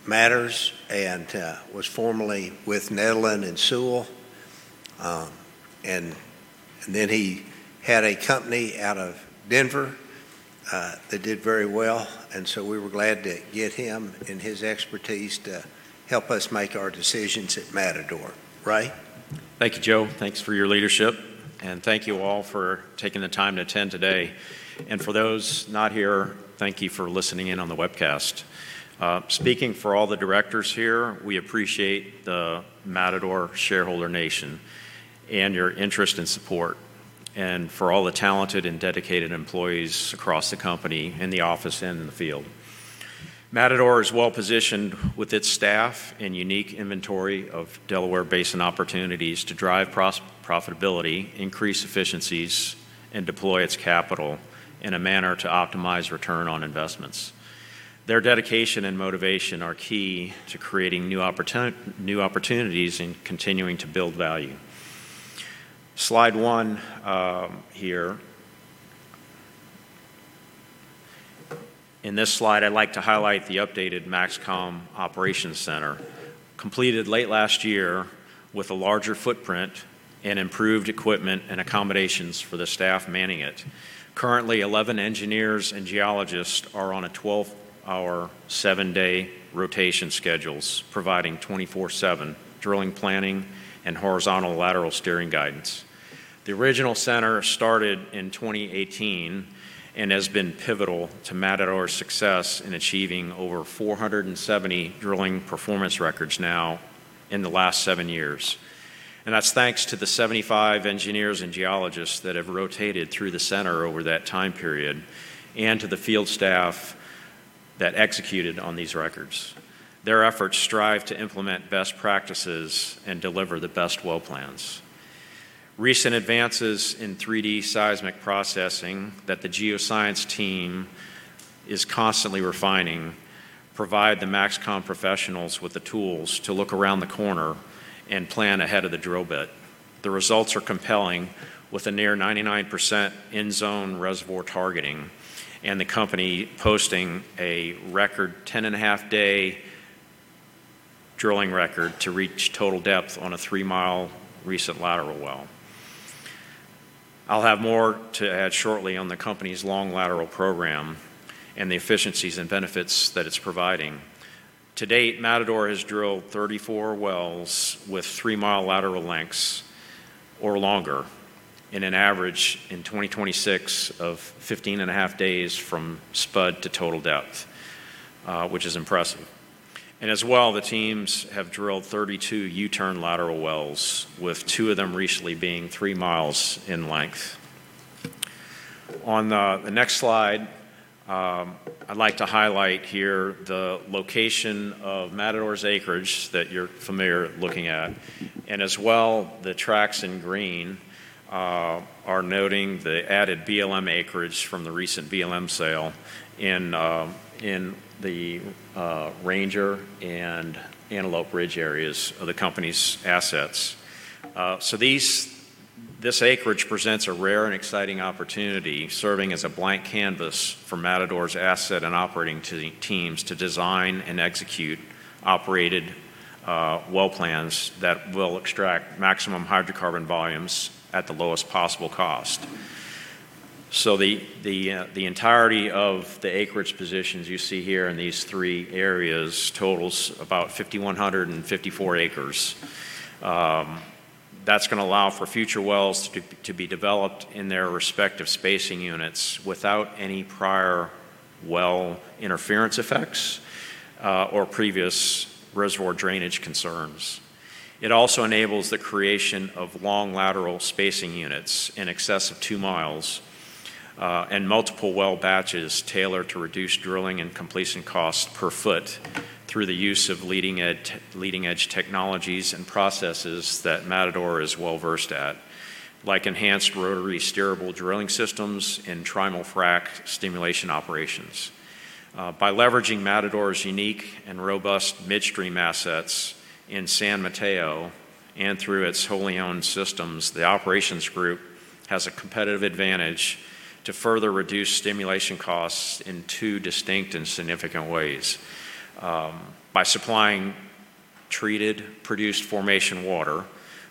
matters, and was formerly with Netherland and Sewell. He had a company out of Denver that did very well. We were glad to get him and his expertise to help us make our decisions at Matador. Ray? Thank you, Joseph. Thanks for your leadership. Thank you all for taking the time to attend today. For those not here, thank you for listening in on the webcast. Speaking for all the directors here, we appreciate the Matador shareholder nation and your interest and support, and for all the talented and dedicated employees across the company, in the office and in the field. Matador is well-positioned with its staff and unique inventory of Delaware Basin opportunities to drive profitability, increase efficiencies, and deploy its capital in a manner to optimize return on investments. Their dedication and motivation are key to creating new opportunities and continuing to build value. Slide one here. In this slide, I'd like to highlight the updated MAXCOM Operations Center, completed late last year with a larger footprint and improved equipment and accommodations for the staff manning it. Currently, 11 engineers and geologists are on a 12-hour, seven-day rotation schedules, providing 24/7 drilling planning and horizontal lateral steering guidance. The original center started in 2018 and has been pivotal to Matador's success in achieving over 470 drilling performance records now in the last seven years. That's thanks to the 75 engineers and geologists that have rotated through the center over that time period and to the field staff that executed on these records. Their efforts strive to implement best practices and deliver the best well plans. Recent advances in 3D seismic processing that the geoscience team is constantly refining provide the MAXCOM professionals with the tools to look around the corner and plan ahead of the drill bit. The results are compelling with a near 99% in-zone reservoir targeting, and the company posting a record 10.5 day drilling record to reach total depth on a three-mile recent lateral well. I'll have more to add shortly on the company's long lateral program and the efficiencies and benefits that it's providing. To date, Matador has drilled 34 wells with 3-mi lateral lengths or longer in an average in 2026 of 15.5 Days from spud to total depth, which is impressive. As well, the teams have drilled 32 U-turn lateral wells, with two of them recently being 3 mi in length. On the next slide, I'd like to highlight here the location of Matador's acreage that you're familiar looking at, and as well, the tracks in green are noting the added BLM acreage from the recent BLM sale in the Ranger and Antelope Ridge areas of the company's assets. This acreage presents a rare and exciting opportunity, serving as a blank canvas for Matador's asset and operating teams to design and execute operated well plans that will extract maximum hydrocarbon volumes at the lowest possible cost. The entirety of the acreage positions you see here in these three areas totals about 5,154 acres. That's going to allow for future wells to be developed in their respective spacing units without any priorwell interference effects or previous reservoir drainage concerns. It also enables the creation of long lateral spacing units in excess of two miles and multiple well batches tailored to reduce drilling and completion costs per foot through the use of leading-edge technologies and processes that Matador is well-versed at, like enhanced rotary steerable drilling systems and trimul-frac stimulation operations. By leveraging Matador's unique and robust midstream assets in San Mateo and through its wholly-owned systems, the operations group has a competitive advantage to further reduce stimulation costs in two distinct and significant ways. By supplying treated, produced formation water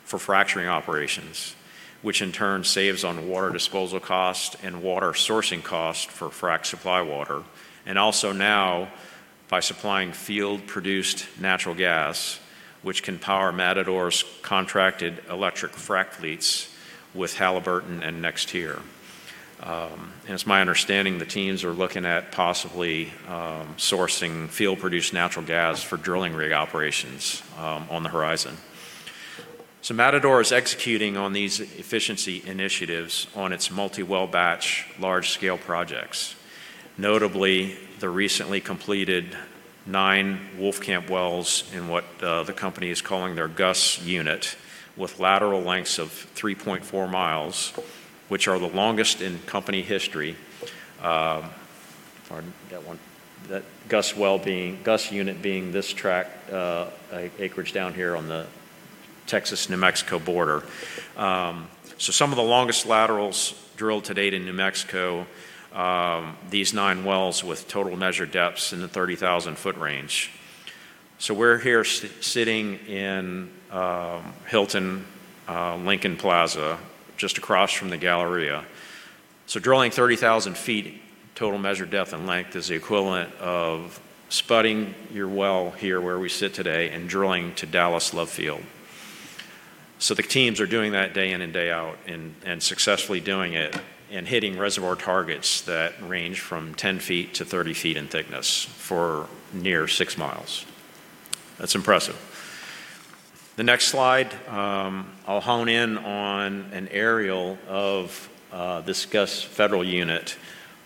for fracturing operations, which in turn saves on water disposal cost and water sourcing cost for frack supply water, also now by supplying field-produced natural gas, which can power Matador's contracted electric frack fleets with Halliburton and NexTier. It's my understanding the teams are looking at possibly sourcing field-produced natural gas for drilling rig operations on the horizon. Matador is executing on these efficiency initiatives on its multi-well batch large scale projects, notably the recently completed nine Wolfcamp wells in what the company is calling their Gus unit with lateral lengths of 3.4 mi, which are the longest in company history. Pardon, that Gus unit being this tract acreage down here on the Texas-New Mexico border. Some of the longest laterals drilled to date in New Mexico, these nine wells with total measured depths in the 30,000-ft range. We're here sitting in Hilton Dallas Lincoln Centre, just across from the Galleria. Drilling 30,000 ft total measured depth and length is the equivalent of spudding your well here where we sit today and drilling to Dallas Love Field. The teams are doing that day in and day out and successfully doing it and hitting reservoir targets that range from 10 ft-30 ft in thickness for near six miles. That's impressive. The next slide, I'll hone in on an aerial of this Gus federal unit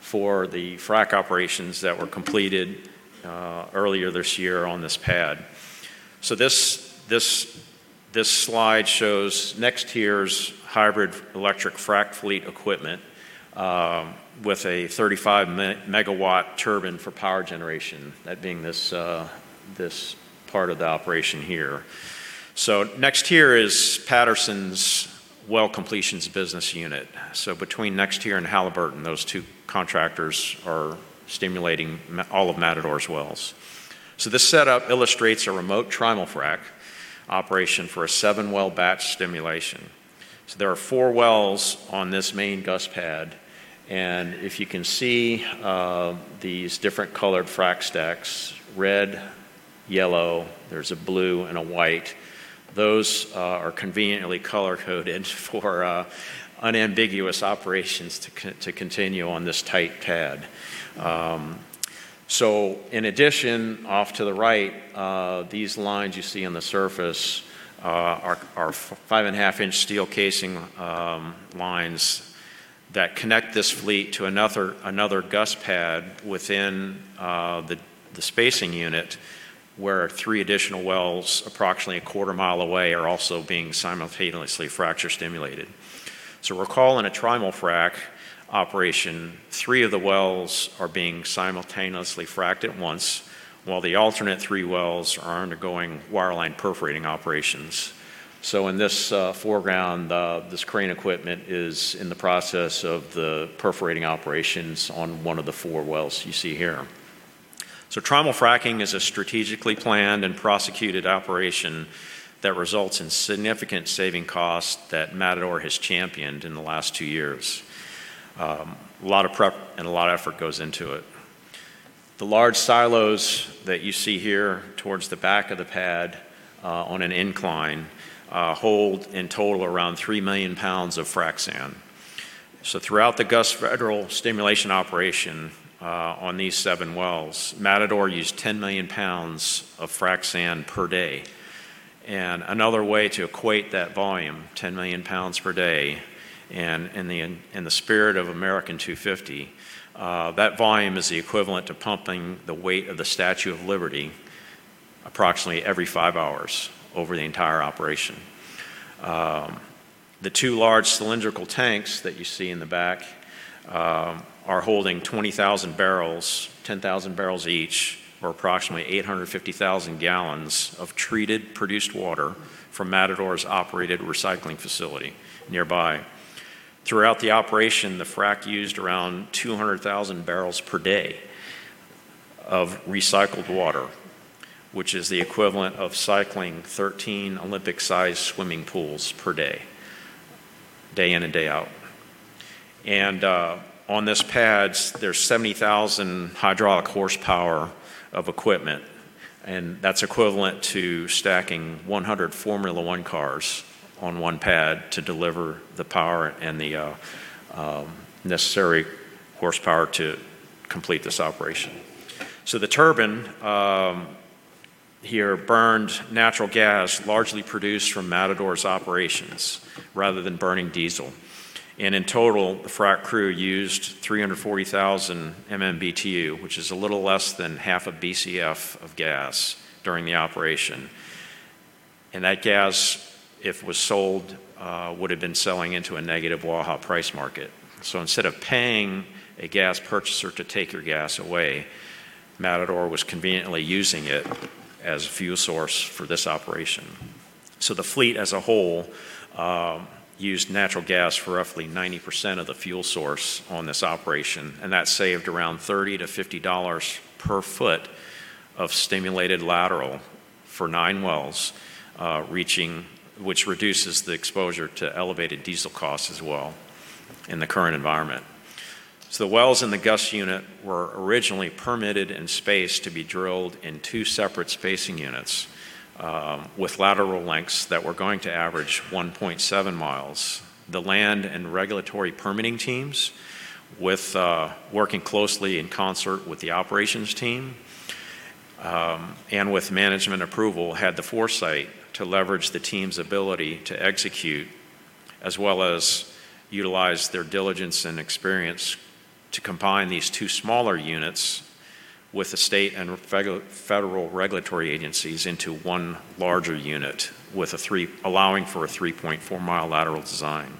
for the frack operations that were completed earlier this year on this pad. This slide shows NexTier's hybrid electric frack fleet equipment with a 35-MW turbine for power generation. That being this part of the operation here. NexTier is Patterson's well completions business unit. Between NexTier and Halliburton, those two contractors are stimulating all of Matador's wells. This setup illustrates a remote trimul-frac operation for a seven-well batch stimulation. There are four wells on this main Gus pad, and if you can see these different colored frack stacks, red, yellow, there's a blue and a white. Those are conveniently color-coded for unambiguous operations to continue on this tight pad. In addition, off to the right, these lines you see on the surface are 5.5-inch steel casing lines that connect this fleet to another Gus pad within the spacing unit where three additional wells approximately a quarter mile away are also being simultaneously fracture stimulated. Recall in a trimul-frac operation, three of the wells are being simultaneously fracked at once, while the alternate three wells are undergoing wireline perforating operations. In this foreground, this crane equipment is in the process of the perforating operations on one of the four wells you see here. trimul-frac is a strategically planned and prosecuted operation that results in significant saving costs that Matador has championed in the last two years. A lot of prep and a lot of effort goes into it. The large silos that you see here towards the back of the pad on an incline hold in total around 3 million pounds of frack sand. Throughout the Gus federal stimulation operation on these seven wells, Matador used 10 million pounds of frack sand per day. Another way to equate that volume, 10 million pounds per day, and in the spirit of America 250, that volume is the equivalent to pumping the weight of the Statue of Liberty approximately every five hours over the entire operation. The two large cylindrical tanks that you see in the back are holding 20,000 barrels, 10,000 barrels each, or approximately 850,000 gallons of treated, produced water from Matador's operated recycling facility nearby. Throughout the operation, the frac used around 200,000 barrels per day of recycled water, which is the equivalent of cycling 13 Olympic-sized swimming pools per day in and day out. On this pad, there's 70,000 hydraulic horsepower of equipment. That's equivalent to stacking 100 Formula 1 cars on one pad to deliver the power and the necessary horsepower to complete this operation. The turbine here burned natural gas largely produced from Matador's operations rather than burning diesel. In total, the frac crew used 340,000 MMBtu, which is a little less than half a BCF of gas during the operation. That gas, if it was sold, would have been selling into a negative Waha price market. Instead of paying a gas purchaser to take your gas away, Matador was conveniently using it as a fuel source for this operation. The fleet as a whole used natural gas for roughly 90% of the fuel source on this operation, and that saved around $30-$50 per foot of stimulated lateral for nine wells, which reduces the exposure to elevated diesel costs as well in the current environment. The wells in the Gus unit were originally permitted and spaced to be drilled in two separate spacing units with lateral lengths that were going to average 1.7 mi. The land and regulatory permitting teams, working closely in concert with the operations team, and with management approval, had the foresight to leverage the team's ability to execute as well as utilize their diligence and experience to combine these two smaller units with the state and federal regulatory agencies into one larger unit, allowing for a 3.4-mi lateral design.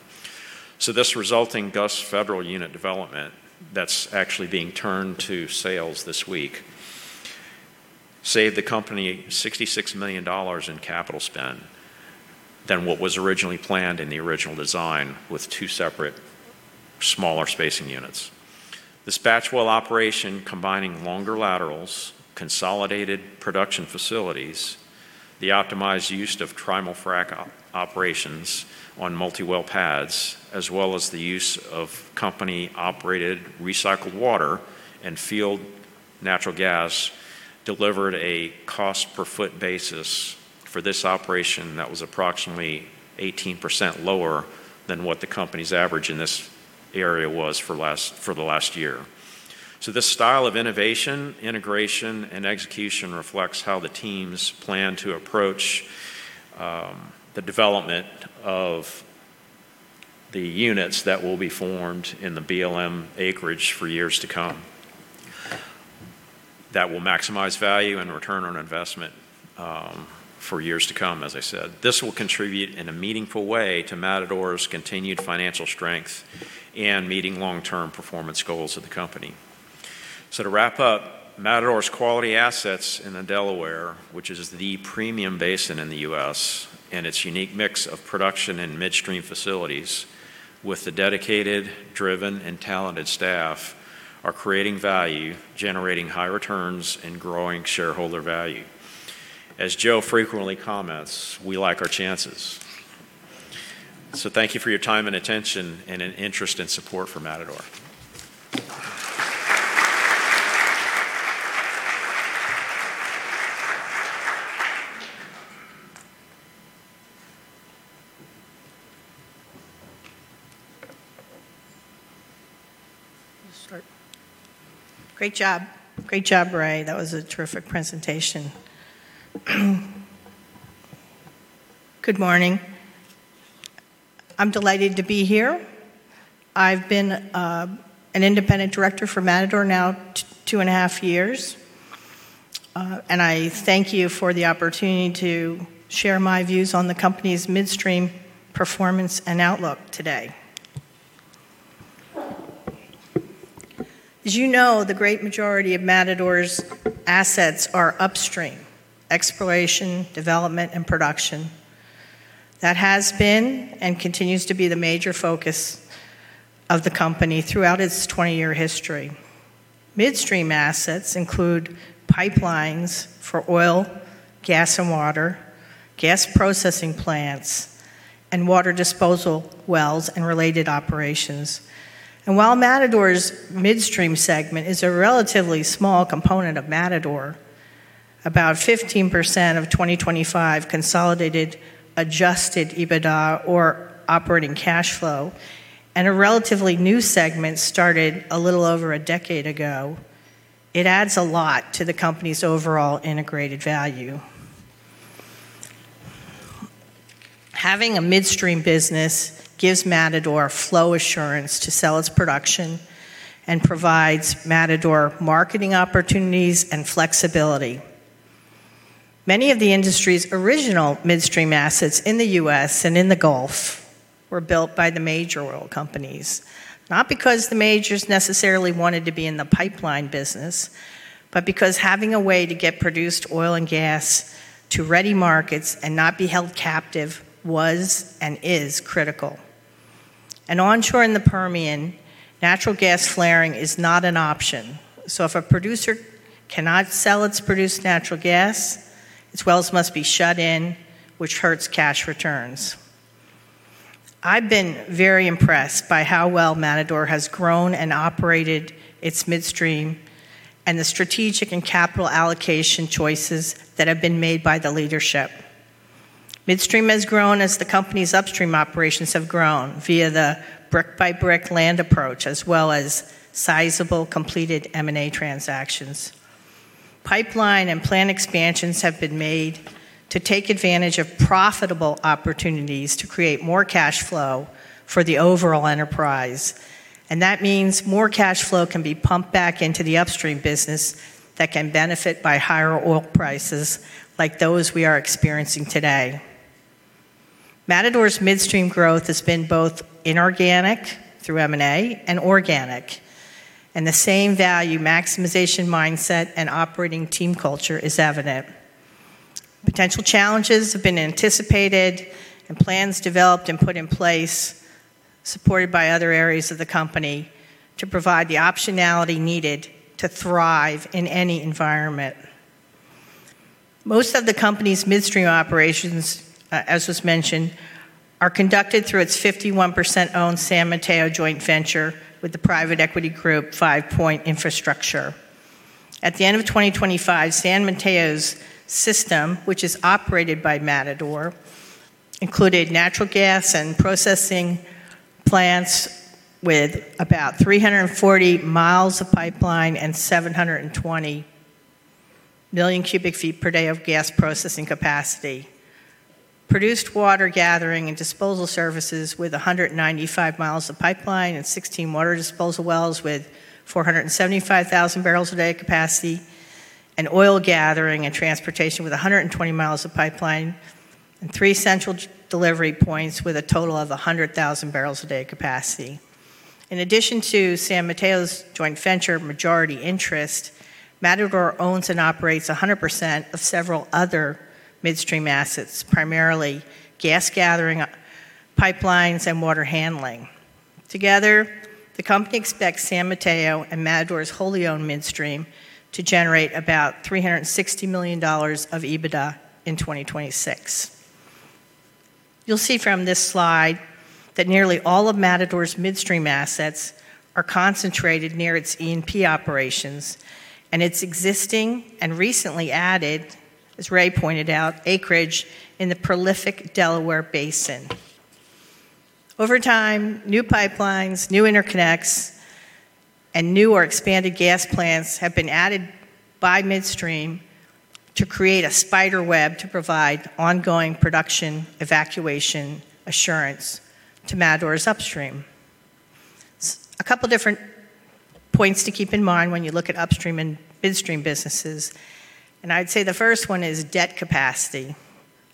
This resulting Gus federal unit development that's actually being turned to sales this week saved the company $66 million in capital spend than what was originally planned in the original design with two separate smaller spacing units. This batch well operation combining longer laterals, consolidated production facilities, the optimized use of trimul-frac operations on multi-well pads, as well as the use of company-operated recycled water and field natural gas, delivered a cost per foot basis for this operation that was approximately 18% lower than what the company's average in this area was for the last year. This style of innovation, integration, and execution reflects how the teams plan to approach the development of the units that will be formed in the BLM acreage for years to come. That will maximize value and return on investment for years to come, as I said. This will contribute in a meaningful way to Matador's continued financial strength and meeting long-term performance goals of the company. To wrap up, Matador's quality assets in the Delaware, which is the premium basin in the U.S., and its unique mix of production and midstream facilities with the dedicated, driven, and talented staff are creating value, generating high returns, and growing shareholder value. As Joseph frequently comments, we like our chances. Thank you for your time and attention and an interest and support for Matador. Great job. Great job, Ray. That was a terrific presentation. Good morning. I'm delighted to be here. I've been an independent director for Matador now 2.5 Years. I thank you for the opportunity to share my views on the company's midstream performance and outlook today. As you know, the great majority of Matador's assets are upstream. Exploration, development, and production. That has been and continues to be the major focus of the company throughout its 20-year history. Midstream assets include pipelines for oil, gas, and water, gas processing plants, and water disposal wells and related operations. While Matador's midstream segment is a relatively small component of Matador, about 15% of 2025 consolidated adjusted EBITDA or operating cash flow, and a relatively new segment started a little over a decade ago, it adds a lot to the company's overall integrated value. Having a midstream business gives Matador flow assurance to sell its production and provides Matador marketing opportunities and flexibility. Many of the industry's original midstream assets in the U.S. and in the Gulf were built by the major oil companies, not because the majors necessarily wanted to be in the pipeline business, but because having a way to get produced oil and gas to ready markets and not be held captive was and is critical. Onshore in the Permian, natural gas flaring is not an option. If a producer cannot sell its produced natural gas, its wells must be shut in, which hurts cash returns. I've been very impressed by how well Matador has grown and operated its midstream, and the strategic and capital allocation choices that have been made by the leadership. Midstream has grown as the company's upstream operations have grown via the brick-by-brick land approach, as well as sizable completed M&A transactions. Pipeline and plant expansions have been made to take advantage of profitable opportunities to create more cash flow for the overall enterprise. That means more cash flow can be pumped back into the upstream business that can benefit by higher oil prices like those we are experiencing today. Matador's midstream growth has been both inorganic through M&A and organic, and the same value maximization mindset and operating team culture is evident. Potential challenges have been anticipated and plans developed and put in place, supported by other areas of the company to provide the optionality needed to thrive in any environment. Most of the company's midstream operations, as was mentioned, are conducted through its 51%-owned San Mateo joint venture with the private equity group, Five Point Infrastructure. At the end of 2025, San Mateo's system, which is operated by Matador, included natural gas and processing plants with about 340 mi of pipeline and 720 million cu ft per day of gas processing capacity. Produced water gathering and disposal services with 195 mi of pipeline and 16 water disposal wells with 475,000 barrels a day capacity, and oil gathering and transportation with 120 mi of pipeline and three central delivery points with a total of 100,000 barrels a day capacity. In addition to San Mateo's joint venture majority interest, Matador owns and operates 100% of several other midstream assets, primarily gas gathering pipelines and water handling. Together, the company expects San Mateo and Matador's wholly-owned midstream to generate about $360 million of EBITDA in 2026. You'll see from this slide that nearly all of Matador's midstream assets are concentrated near its E&P operations and its existing and recently added, as Ray pointed out, acreage in the prolific Delaware Basin. Over time, new pipelines, new interconnects, and new or expanded gas plants have been added by midstream to create a spider web to provide ongoing production evacuation assurance to Matador's upstream. A couple different points to keep in mind when you look at upstream and midstream businesses. I'd say the first one is debt capacity.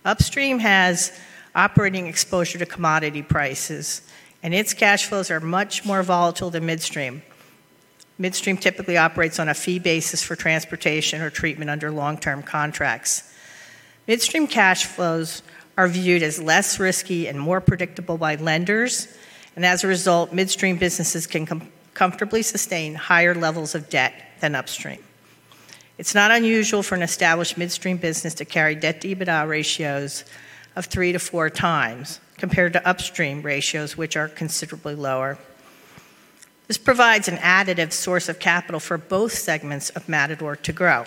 Upstream has operating exposure to commodity prices, and its cash flows are much more volatile than midstream. Midstream typically operates on a fee basis for transportation or treatment under long-term contracts. Midstream cash flows are viewed as less risky and more predictable by lenders. As a result, midstream businesses can comfortably sustain higher levels of debt than upstream. It's not unusual for an established midstream business to carry debt-to-EBITDA ratios of 3x-4x compared to upstream ratios, which are considerably lower. This provides an additive source of capital for both segments of Matador to grow.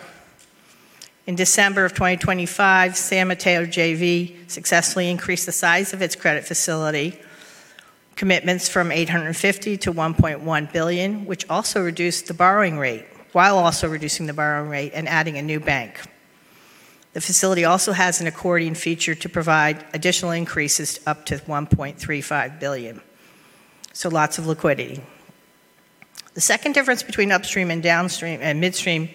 In December of 2025, San Mateo JV successfully increased the size of its credit facility commitments from $850 million-$1.1 billion, which also reduced the borrowing rate and adding a new bank. The facility also has an accordion feature to provide additional increases up to $1.35 billion. Lots of liquidity. The second difference between upstream and midstream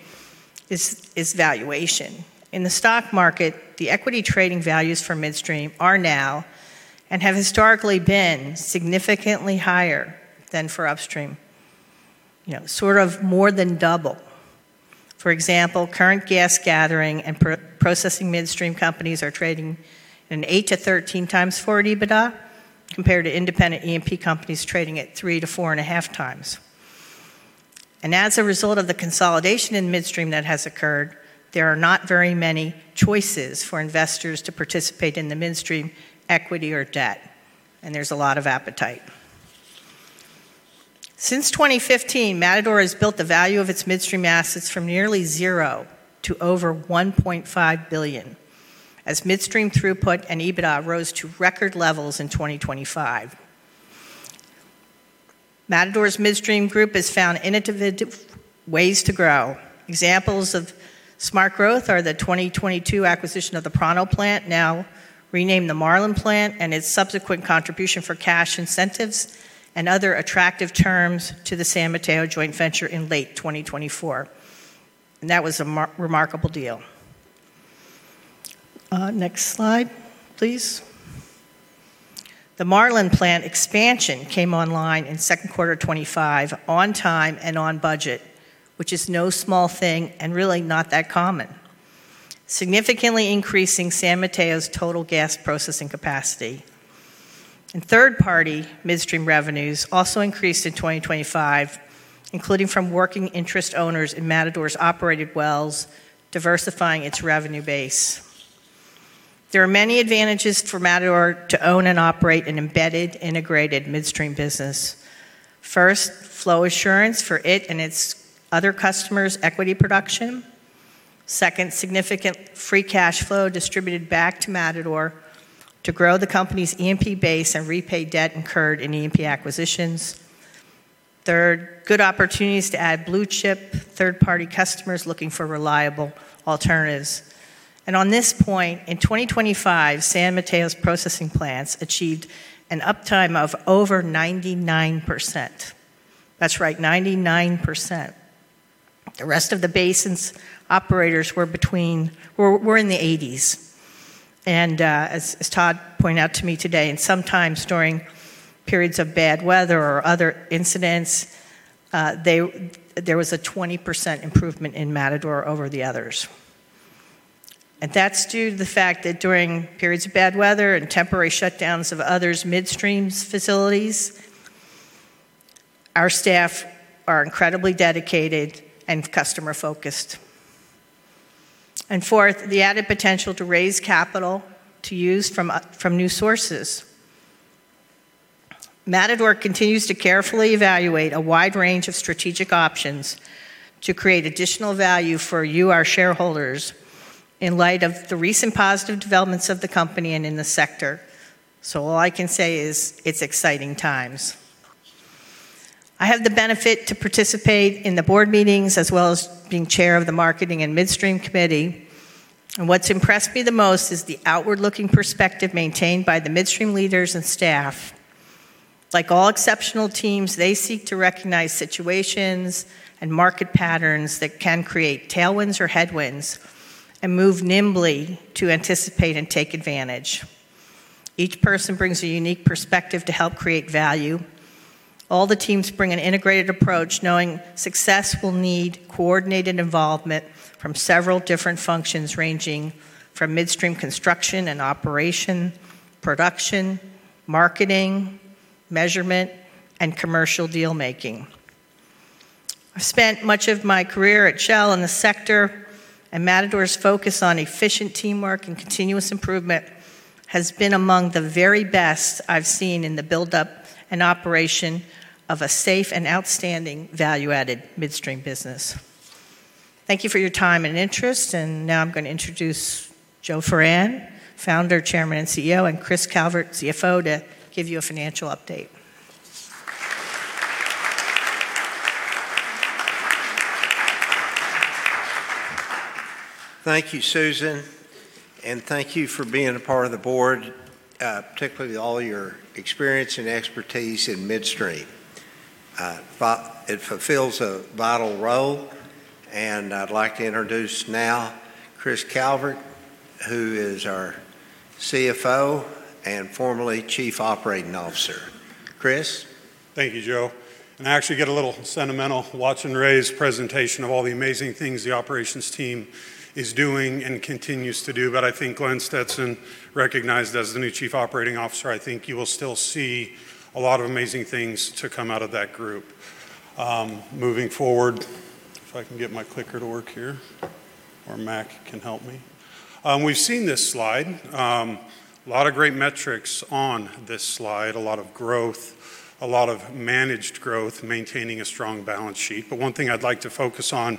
is valuation. In the stock market, the equity trading values for midstream are now, and have historically been, significantly higher than for upstream. Sort of more than double. For example, current gas gathering and processing midstream companies are trading in 8x-13x forward EBITDA compared to independent E&P companies trading at 3x-4.5x. As a result of the consolidation in midstream that has occurred, there are not very many choices for investors to participate in the midstream equity or debt. There's a lot of appetite. Since 2015, Matador has built the value of its midstream assets from nearly $0 to over $1.5 billion, as midstream throughput and EBITDA rose to record levels in 2025. Matador's midstream group has found innovative ways to grow. Examples of smart growth are the 2022 acquisition of the Prado plant, now renamed the Marlin plant, and its subsequent contribution for cash incentives and other attractive terms to the San Mateo joint venture in late 2024. That was a remarkable deal. Next slide, please. The Marlin plant expansion came online in second quarter 2025 on time and on budget, which is no small thing and really not that common. Significantly increasing San Mateo's total gas processing capacity. Third-party midstream revenues also increased in 2025, including from working interest owners in Matador's operated wells, diversifying its revenue base. There are many advantages for Matador to own and operate an embedded, integrated midstream business. First, flow assurance for it and its other customers' equity production. Second, significant free cash flow distributed back to Matador to grow the company's E&P base and repay debt incurred in E&P acquisitions. Third, good opportunities to add blue-chip third-party customers looking for reliable alternatives. On this point, in 2025, San Mateo's processing plants achieved an uptime of over 99%. That's right, 99%. The rest of the basin's operators were in the 80s. As Todd pointed out to me today, sometimes during periods of bad weather or other incidents, there was a 20% improvement in Matador over the others. That's due to the fact that during periods of bad weather and temporary shutdowns of others' midstream facilities, our staff are incredibly dedicated and customer-focused. Fourth, the added potential to raise capital to use from new sources. Matador continues to carefully evaluate a wide range of strategic options to create additional value for you, our shareholders, in light of the recent positive developments of the company and in the sector. All I can say is it's exciting times. I have the benefit to participate in the board meetings as well as being chair of the marketing and midstream committee. What's impressed me the most is the outward-looking perspective maintained by the midstream leaders and staff. Like all exceptional teams, they seek to recognize situations and market patterns that can create tailwinds or headwinds and move nimbly to anticipate and take advantage. Each person brings a unique perspective to help create value. All the teams bring an integrated approach, knowing success will need coordinated involvement from several different functions, ranging from midstream construction and operation, production, marketing, measurement, and commercial dealmaking. I've spent much of my career at Shell in the sector, and Matador's focus on efficient teamwork and continuous improvement has been among the very best I've seen in the buildup and operation of a safe and outstanding value-added midstream business. Thank you for your time and interest. Now I'm going to introduce Joseph Foran, founder, chairman, and Chief Executive Officer, and Christopher Calvert, Chief Financial Officer, to give you a financial update. Thank you, Susan, and thank you for being a part of the board, particularly all your experience and expertise in midstream. It fulfills a vital role. I'd like to introduce now Christopher Calvert, who is our Chief Financial Officer and formerly Chief Operating Officer. Christopher? Thank you, Joseph. I actually get a little sentimental watching Ray's presentation of all the amazing things the operations team is doing and continues to do. I think Glenn Stetson, recognized as the new Chief Operating Officer, I think you will still see a lot of amazing things to come out of that group. Moving forward, if I can get my clicker to work here, or Mack can help me. We've seen this slide. A lot of great metrics on this slide, a lot of growth, a lot of managed growth, maintaining a strong balance sheet. One thing I'd like to focus on,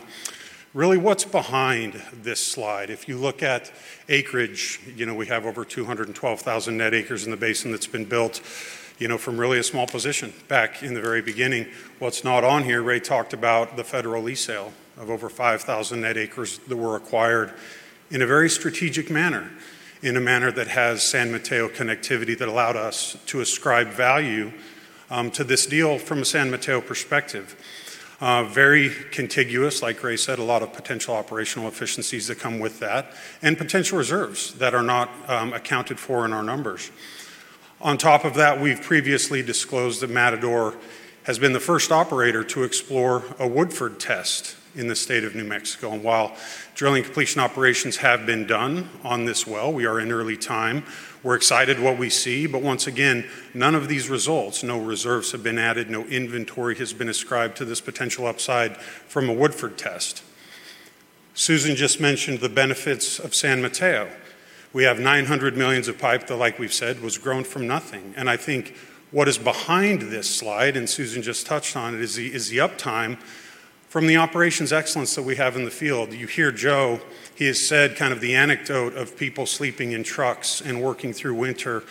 really what's behind this slide. If you look at acreage, we have over 212,000 net acres in the basin that's been built from really a small position back in the very beginning. What's not on here, Ray talked about the federal lease sale of over 5,000 net acres that were acquired in a very strategic manner, in a manner that has San Mateo connectivity that allowed us to ascribe value to this deal from a San Mateo perspective. Very contiguous, like Ray said, a lot of potential operational efficiencies that come with that, and potential reserves that are not accounted for in our numbers. On top of that, we've previously disclosed that Matador has been the first operator to explore a Woodford test in the state of New Mexico. While drilling completion operations have been done on this well, we are in early time. We're excited what we see. Once again, none of these results, no reserves have been added, no inventory has been ascribed to this potential upside from a Woodford test. Susan just mentioned the benefits of San Mateo. We have 900 millions of pipe that, like we've said, was grown from nothing. I think what is behind this slide, and Susan just touched on it, is the uptime from the operations excellence that we have in the field. You hear Joseph, he has said kind of the anecdote of people sleeping in trucks and working through winter.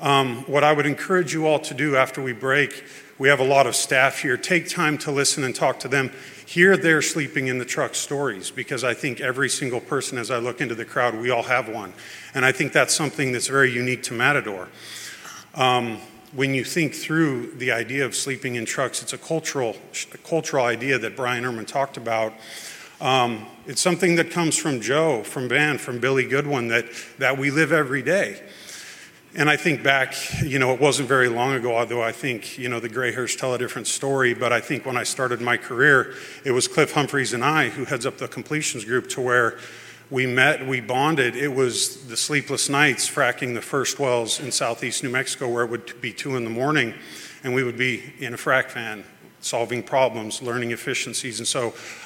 What I would encourage you all to do after we break, we have a lot of staff here. Take time to listen and talk to them. Hear their sleeping-in-the-truck stories because I think every single person, as I look into the crowd, we all have one. I think that's something that's very unique to Matador. When you think through the idea of sleeping in trucks, it's a cultural idea that Bryan A. Erman talked about. It's something that comes from Joseph, from Van, from Billy Goodwin, that we live every day. I think back, it wasn't very long ago, although I think, the gray hairs tell a different story. I think when I started my career, it was Cliff Humphreys and I, who heads up the completions group, to where we met, we bonded. It was the sleepless nights fracking the first wells in southeast New Mexico, where it would be 2:00 A.M. and we would be in a frac van solving problems, learning efficiencies.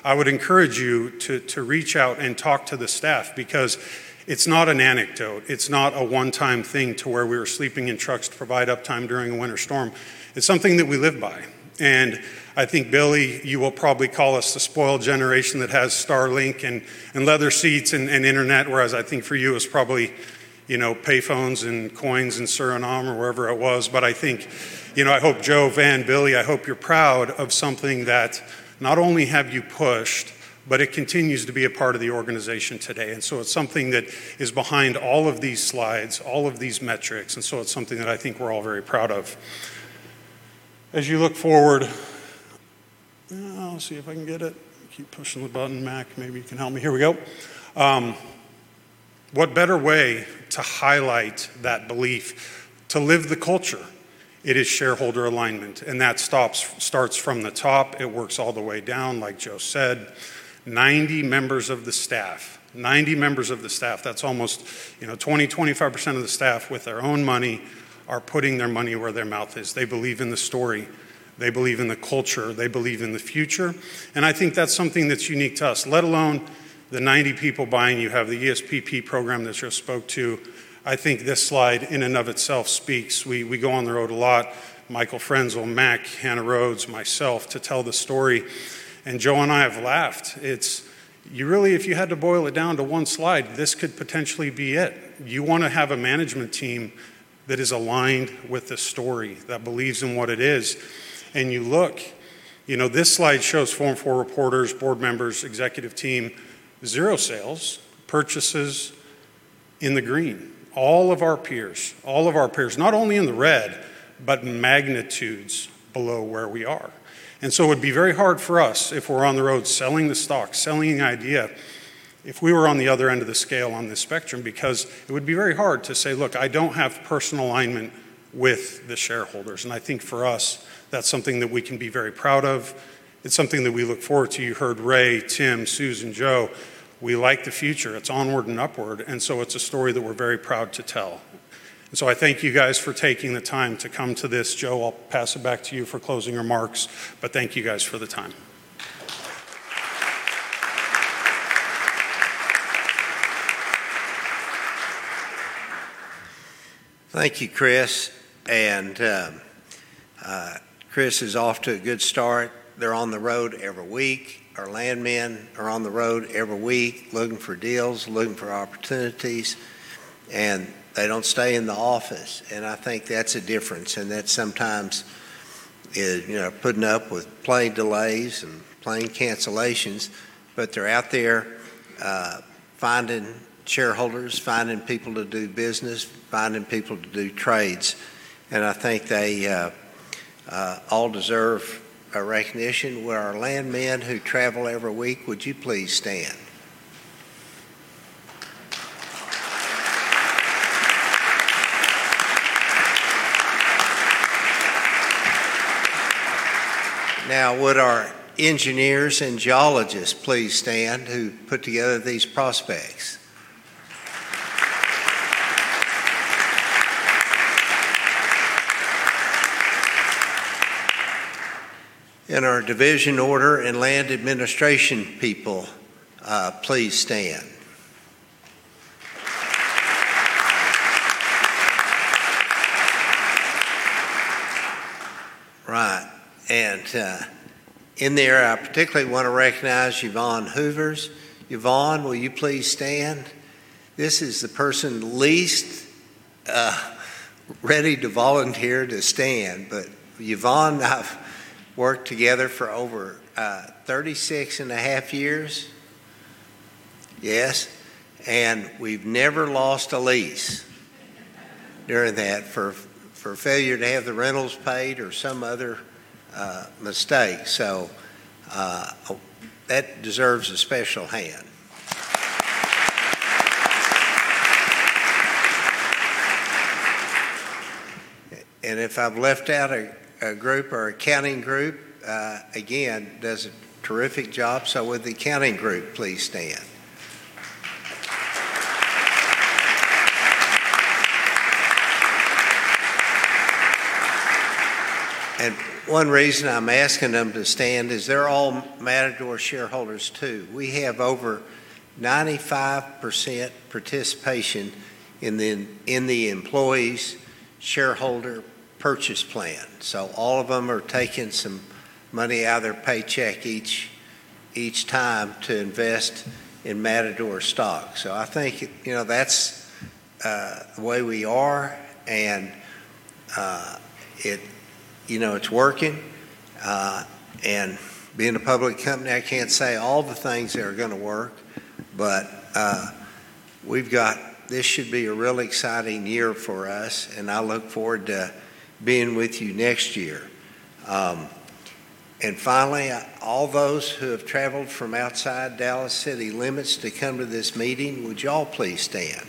I would encourage you to reach out and talk to the staff because it's not an anecdote. It's not a one-time thing to where we were sleeping in trucks to provide uptime during a winter storm. It's something that we live by. I think, Billy, you will probably call us the spoiled generation that has Starlink and leather seats and internet, whereas I think for you it was probably payphones and coins in Suriname or wherever it was. I think, I hope Joseph, Van, Billy, I hope you're proud of something that not only have you pushed, but it continues to be a part of the organization today. It's something that is behind all of these slides, all of these metrics, it's something that I think we're all very proud of. As you look forward I'll see if I can get it. I keep pushing the button. Mack, maybe you can help me. Here we go. What better way to highlight that belief to live the culture? It is shareholder alignment, and that starts from the top, it works all the way down, like Joseph said. 90 members of the staff. 90 members of the staff, that's almost 20%, 25% of the staff with their own money are putting their money where their mouth is. They believe in the story. They believe in the culture. They believe in the future. I think that's something that's unique to us, let alone the 90 people buying. You have the ESPP program that Joseph spoke to. I think this slide in and of itself speaks. We go on the road a lot. Michael Frenzel, Mack, Hannah Rhodes, myself, to tell the story. Joseph and I have laughed. If you had to boil it down to one slide, this could potentially be it. You want to have a management team that is aligned with the story, that believes in what it is. You look. This slide shows Form 4 reporters, board members, executive team, zero sales, purchases in the green. All of our peers, not only in the red, but magnitudes below where we are. It would be very hard for us if we're on the road selling the stock, selling the idea, if we were on the other end of the scale on this spectrum, because it would be very hard to say, "Look, I don't have personal alignment with the shareholders." I think for us, that's something that we can be very proud of. It's something that we look forward to. You heard Ray, Tim, Susan, Joseph. We like the future. It's onward and upward, it's a story that we're very proud to tell. I thank you guys for taking the time to come to this. Joseph, I'll pass it back to you for closing remarks. Thank you guys for the time. Thank you, Christopher. Christopher is off to a good start. They're on the road every week. Our landmen are on the road every week looking for deals, looking for opportunities. They don't stay in the office. I think that's a difference. That's sometimes putting up with plane delays and plane cancellations. They're out there finding shareholders, finding people to do business, finding people to do trades. I think they all deserve a recognition. Will our landmen who travel every week, would you please stand? Now, would our engineers and geologists please stand who put together these prospects? Our division order and land administration people, please stand. Right. In there, I particularly want to recognize Yvonne Hovsepian. Yvonne, will you please stand? This is the person least ready to volunteer to stand. Yvonne and I have worked together for over 36.5 Years. Yes. We've never lost a lease during that for failure to have the rentals paid or some other mistake. That deserves a special hand. If I've left out a group, our accounting group, again, does a terrific job. Would the accounting group please stand? One reason I'm asking them to stand is they're all Matador shareholders, too. We have over 95% participation in the employees' shareholder purchase plan. All of them are taking some money out of their paycheck each time to invest in Matador stock. I think that's the way we are, it's working. Being a public company, I can't say all the things that are going to work. This should be a real exciting year for us. I look forward to being with you next year. Finally, all those who have traveled from outside Dallas city limits to come to this meeting, would you all please stand?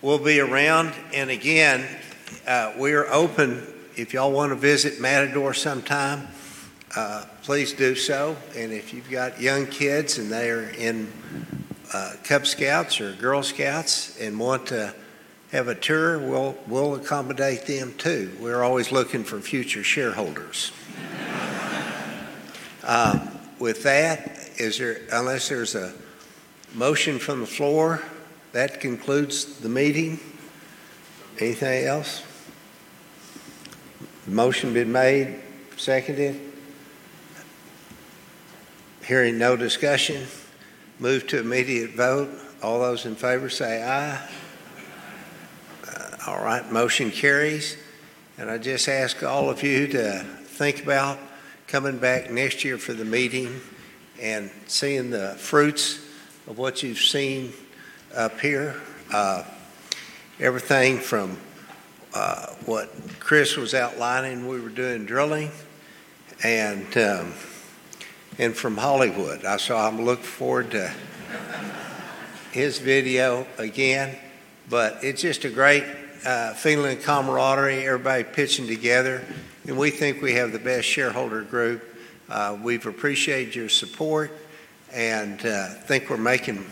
We'll be around. Again, we are open if y'all want to visit Matador sometime, please do so. If you've got young kids and they are in Cub Scouts or Girl Scouts and want to have a tour, we'll accommodate them, too. We're always looking for future shareholders. With that, unless there's a motion from the floor, that concludes the meeting. Anything else? Motion been made, seconded. Hearing no discussion, move to immediate vote. All those in favor say, "Aye. Aye. Motion carries. I just ask all of you to think about coming back next year for the meeting and seeing the fruits of what you've seen up here. Everything from what Christopher was outlining, we were doing drilling, and from Hollywood. I'm looking forward to his video again. It's just a great feeling of camaraderie, everybody pitching together, and we think we have the best shareholder group. We've appreciated your support and think we're making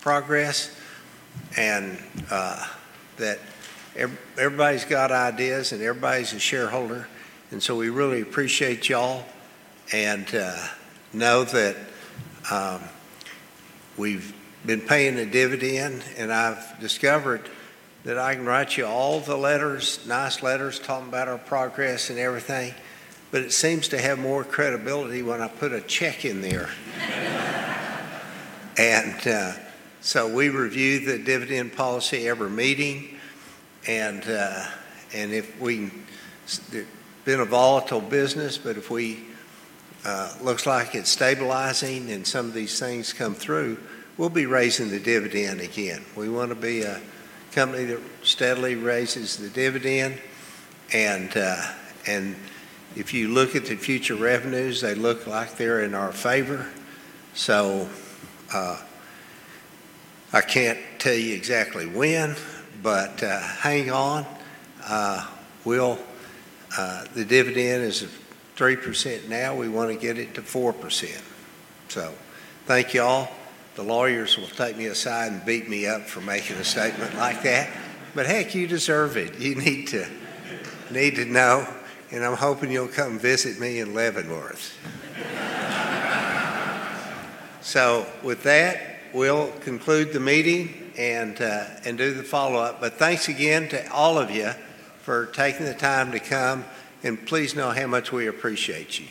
progress, and that everybody's got ideas and everybody's a shareholder. We really appreciate you all, and know that we've been paying a dividend. I've discovered that I can write you all the letters, nice letters, talking about our progress and everything, but it seems to have more credibility when I put a check in there. We review the dividend policy every meeting, and it's been a volatile business, but it looks like it's stabilizing and some of these things come through. We'll be raising the dividend again. We want to be a company that steadily raises the dividend, and if you look at the future revenues, they look like they're in our favor. I can't tell you exactly when, but hang on. The dividend is 3% now. We want to get it to 4%. Thank you all. The lawyers will take me aside and beat me up for making a statement like that. Heck, you deserve it. You need to know, and I'm hoping you'll come visit me in Leavenworth. With that, we'll conclude the meeting and do the follow-up. Thanks again to all of you for taking the time to come, and please know how much we appreciate you.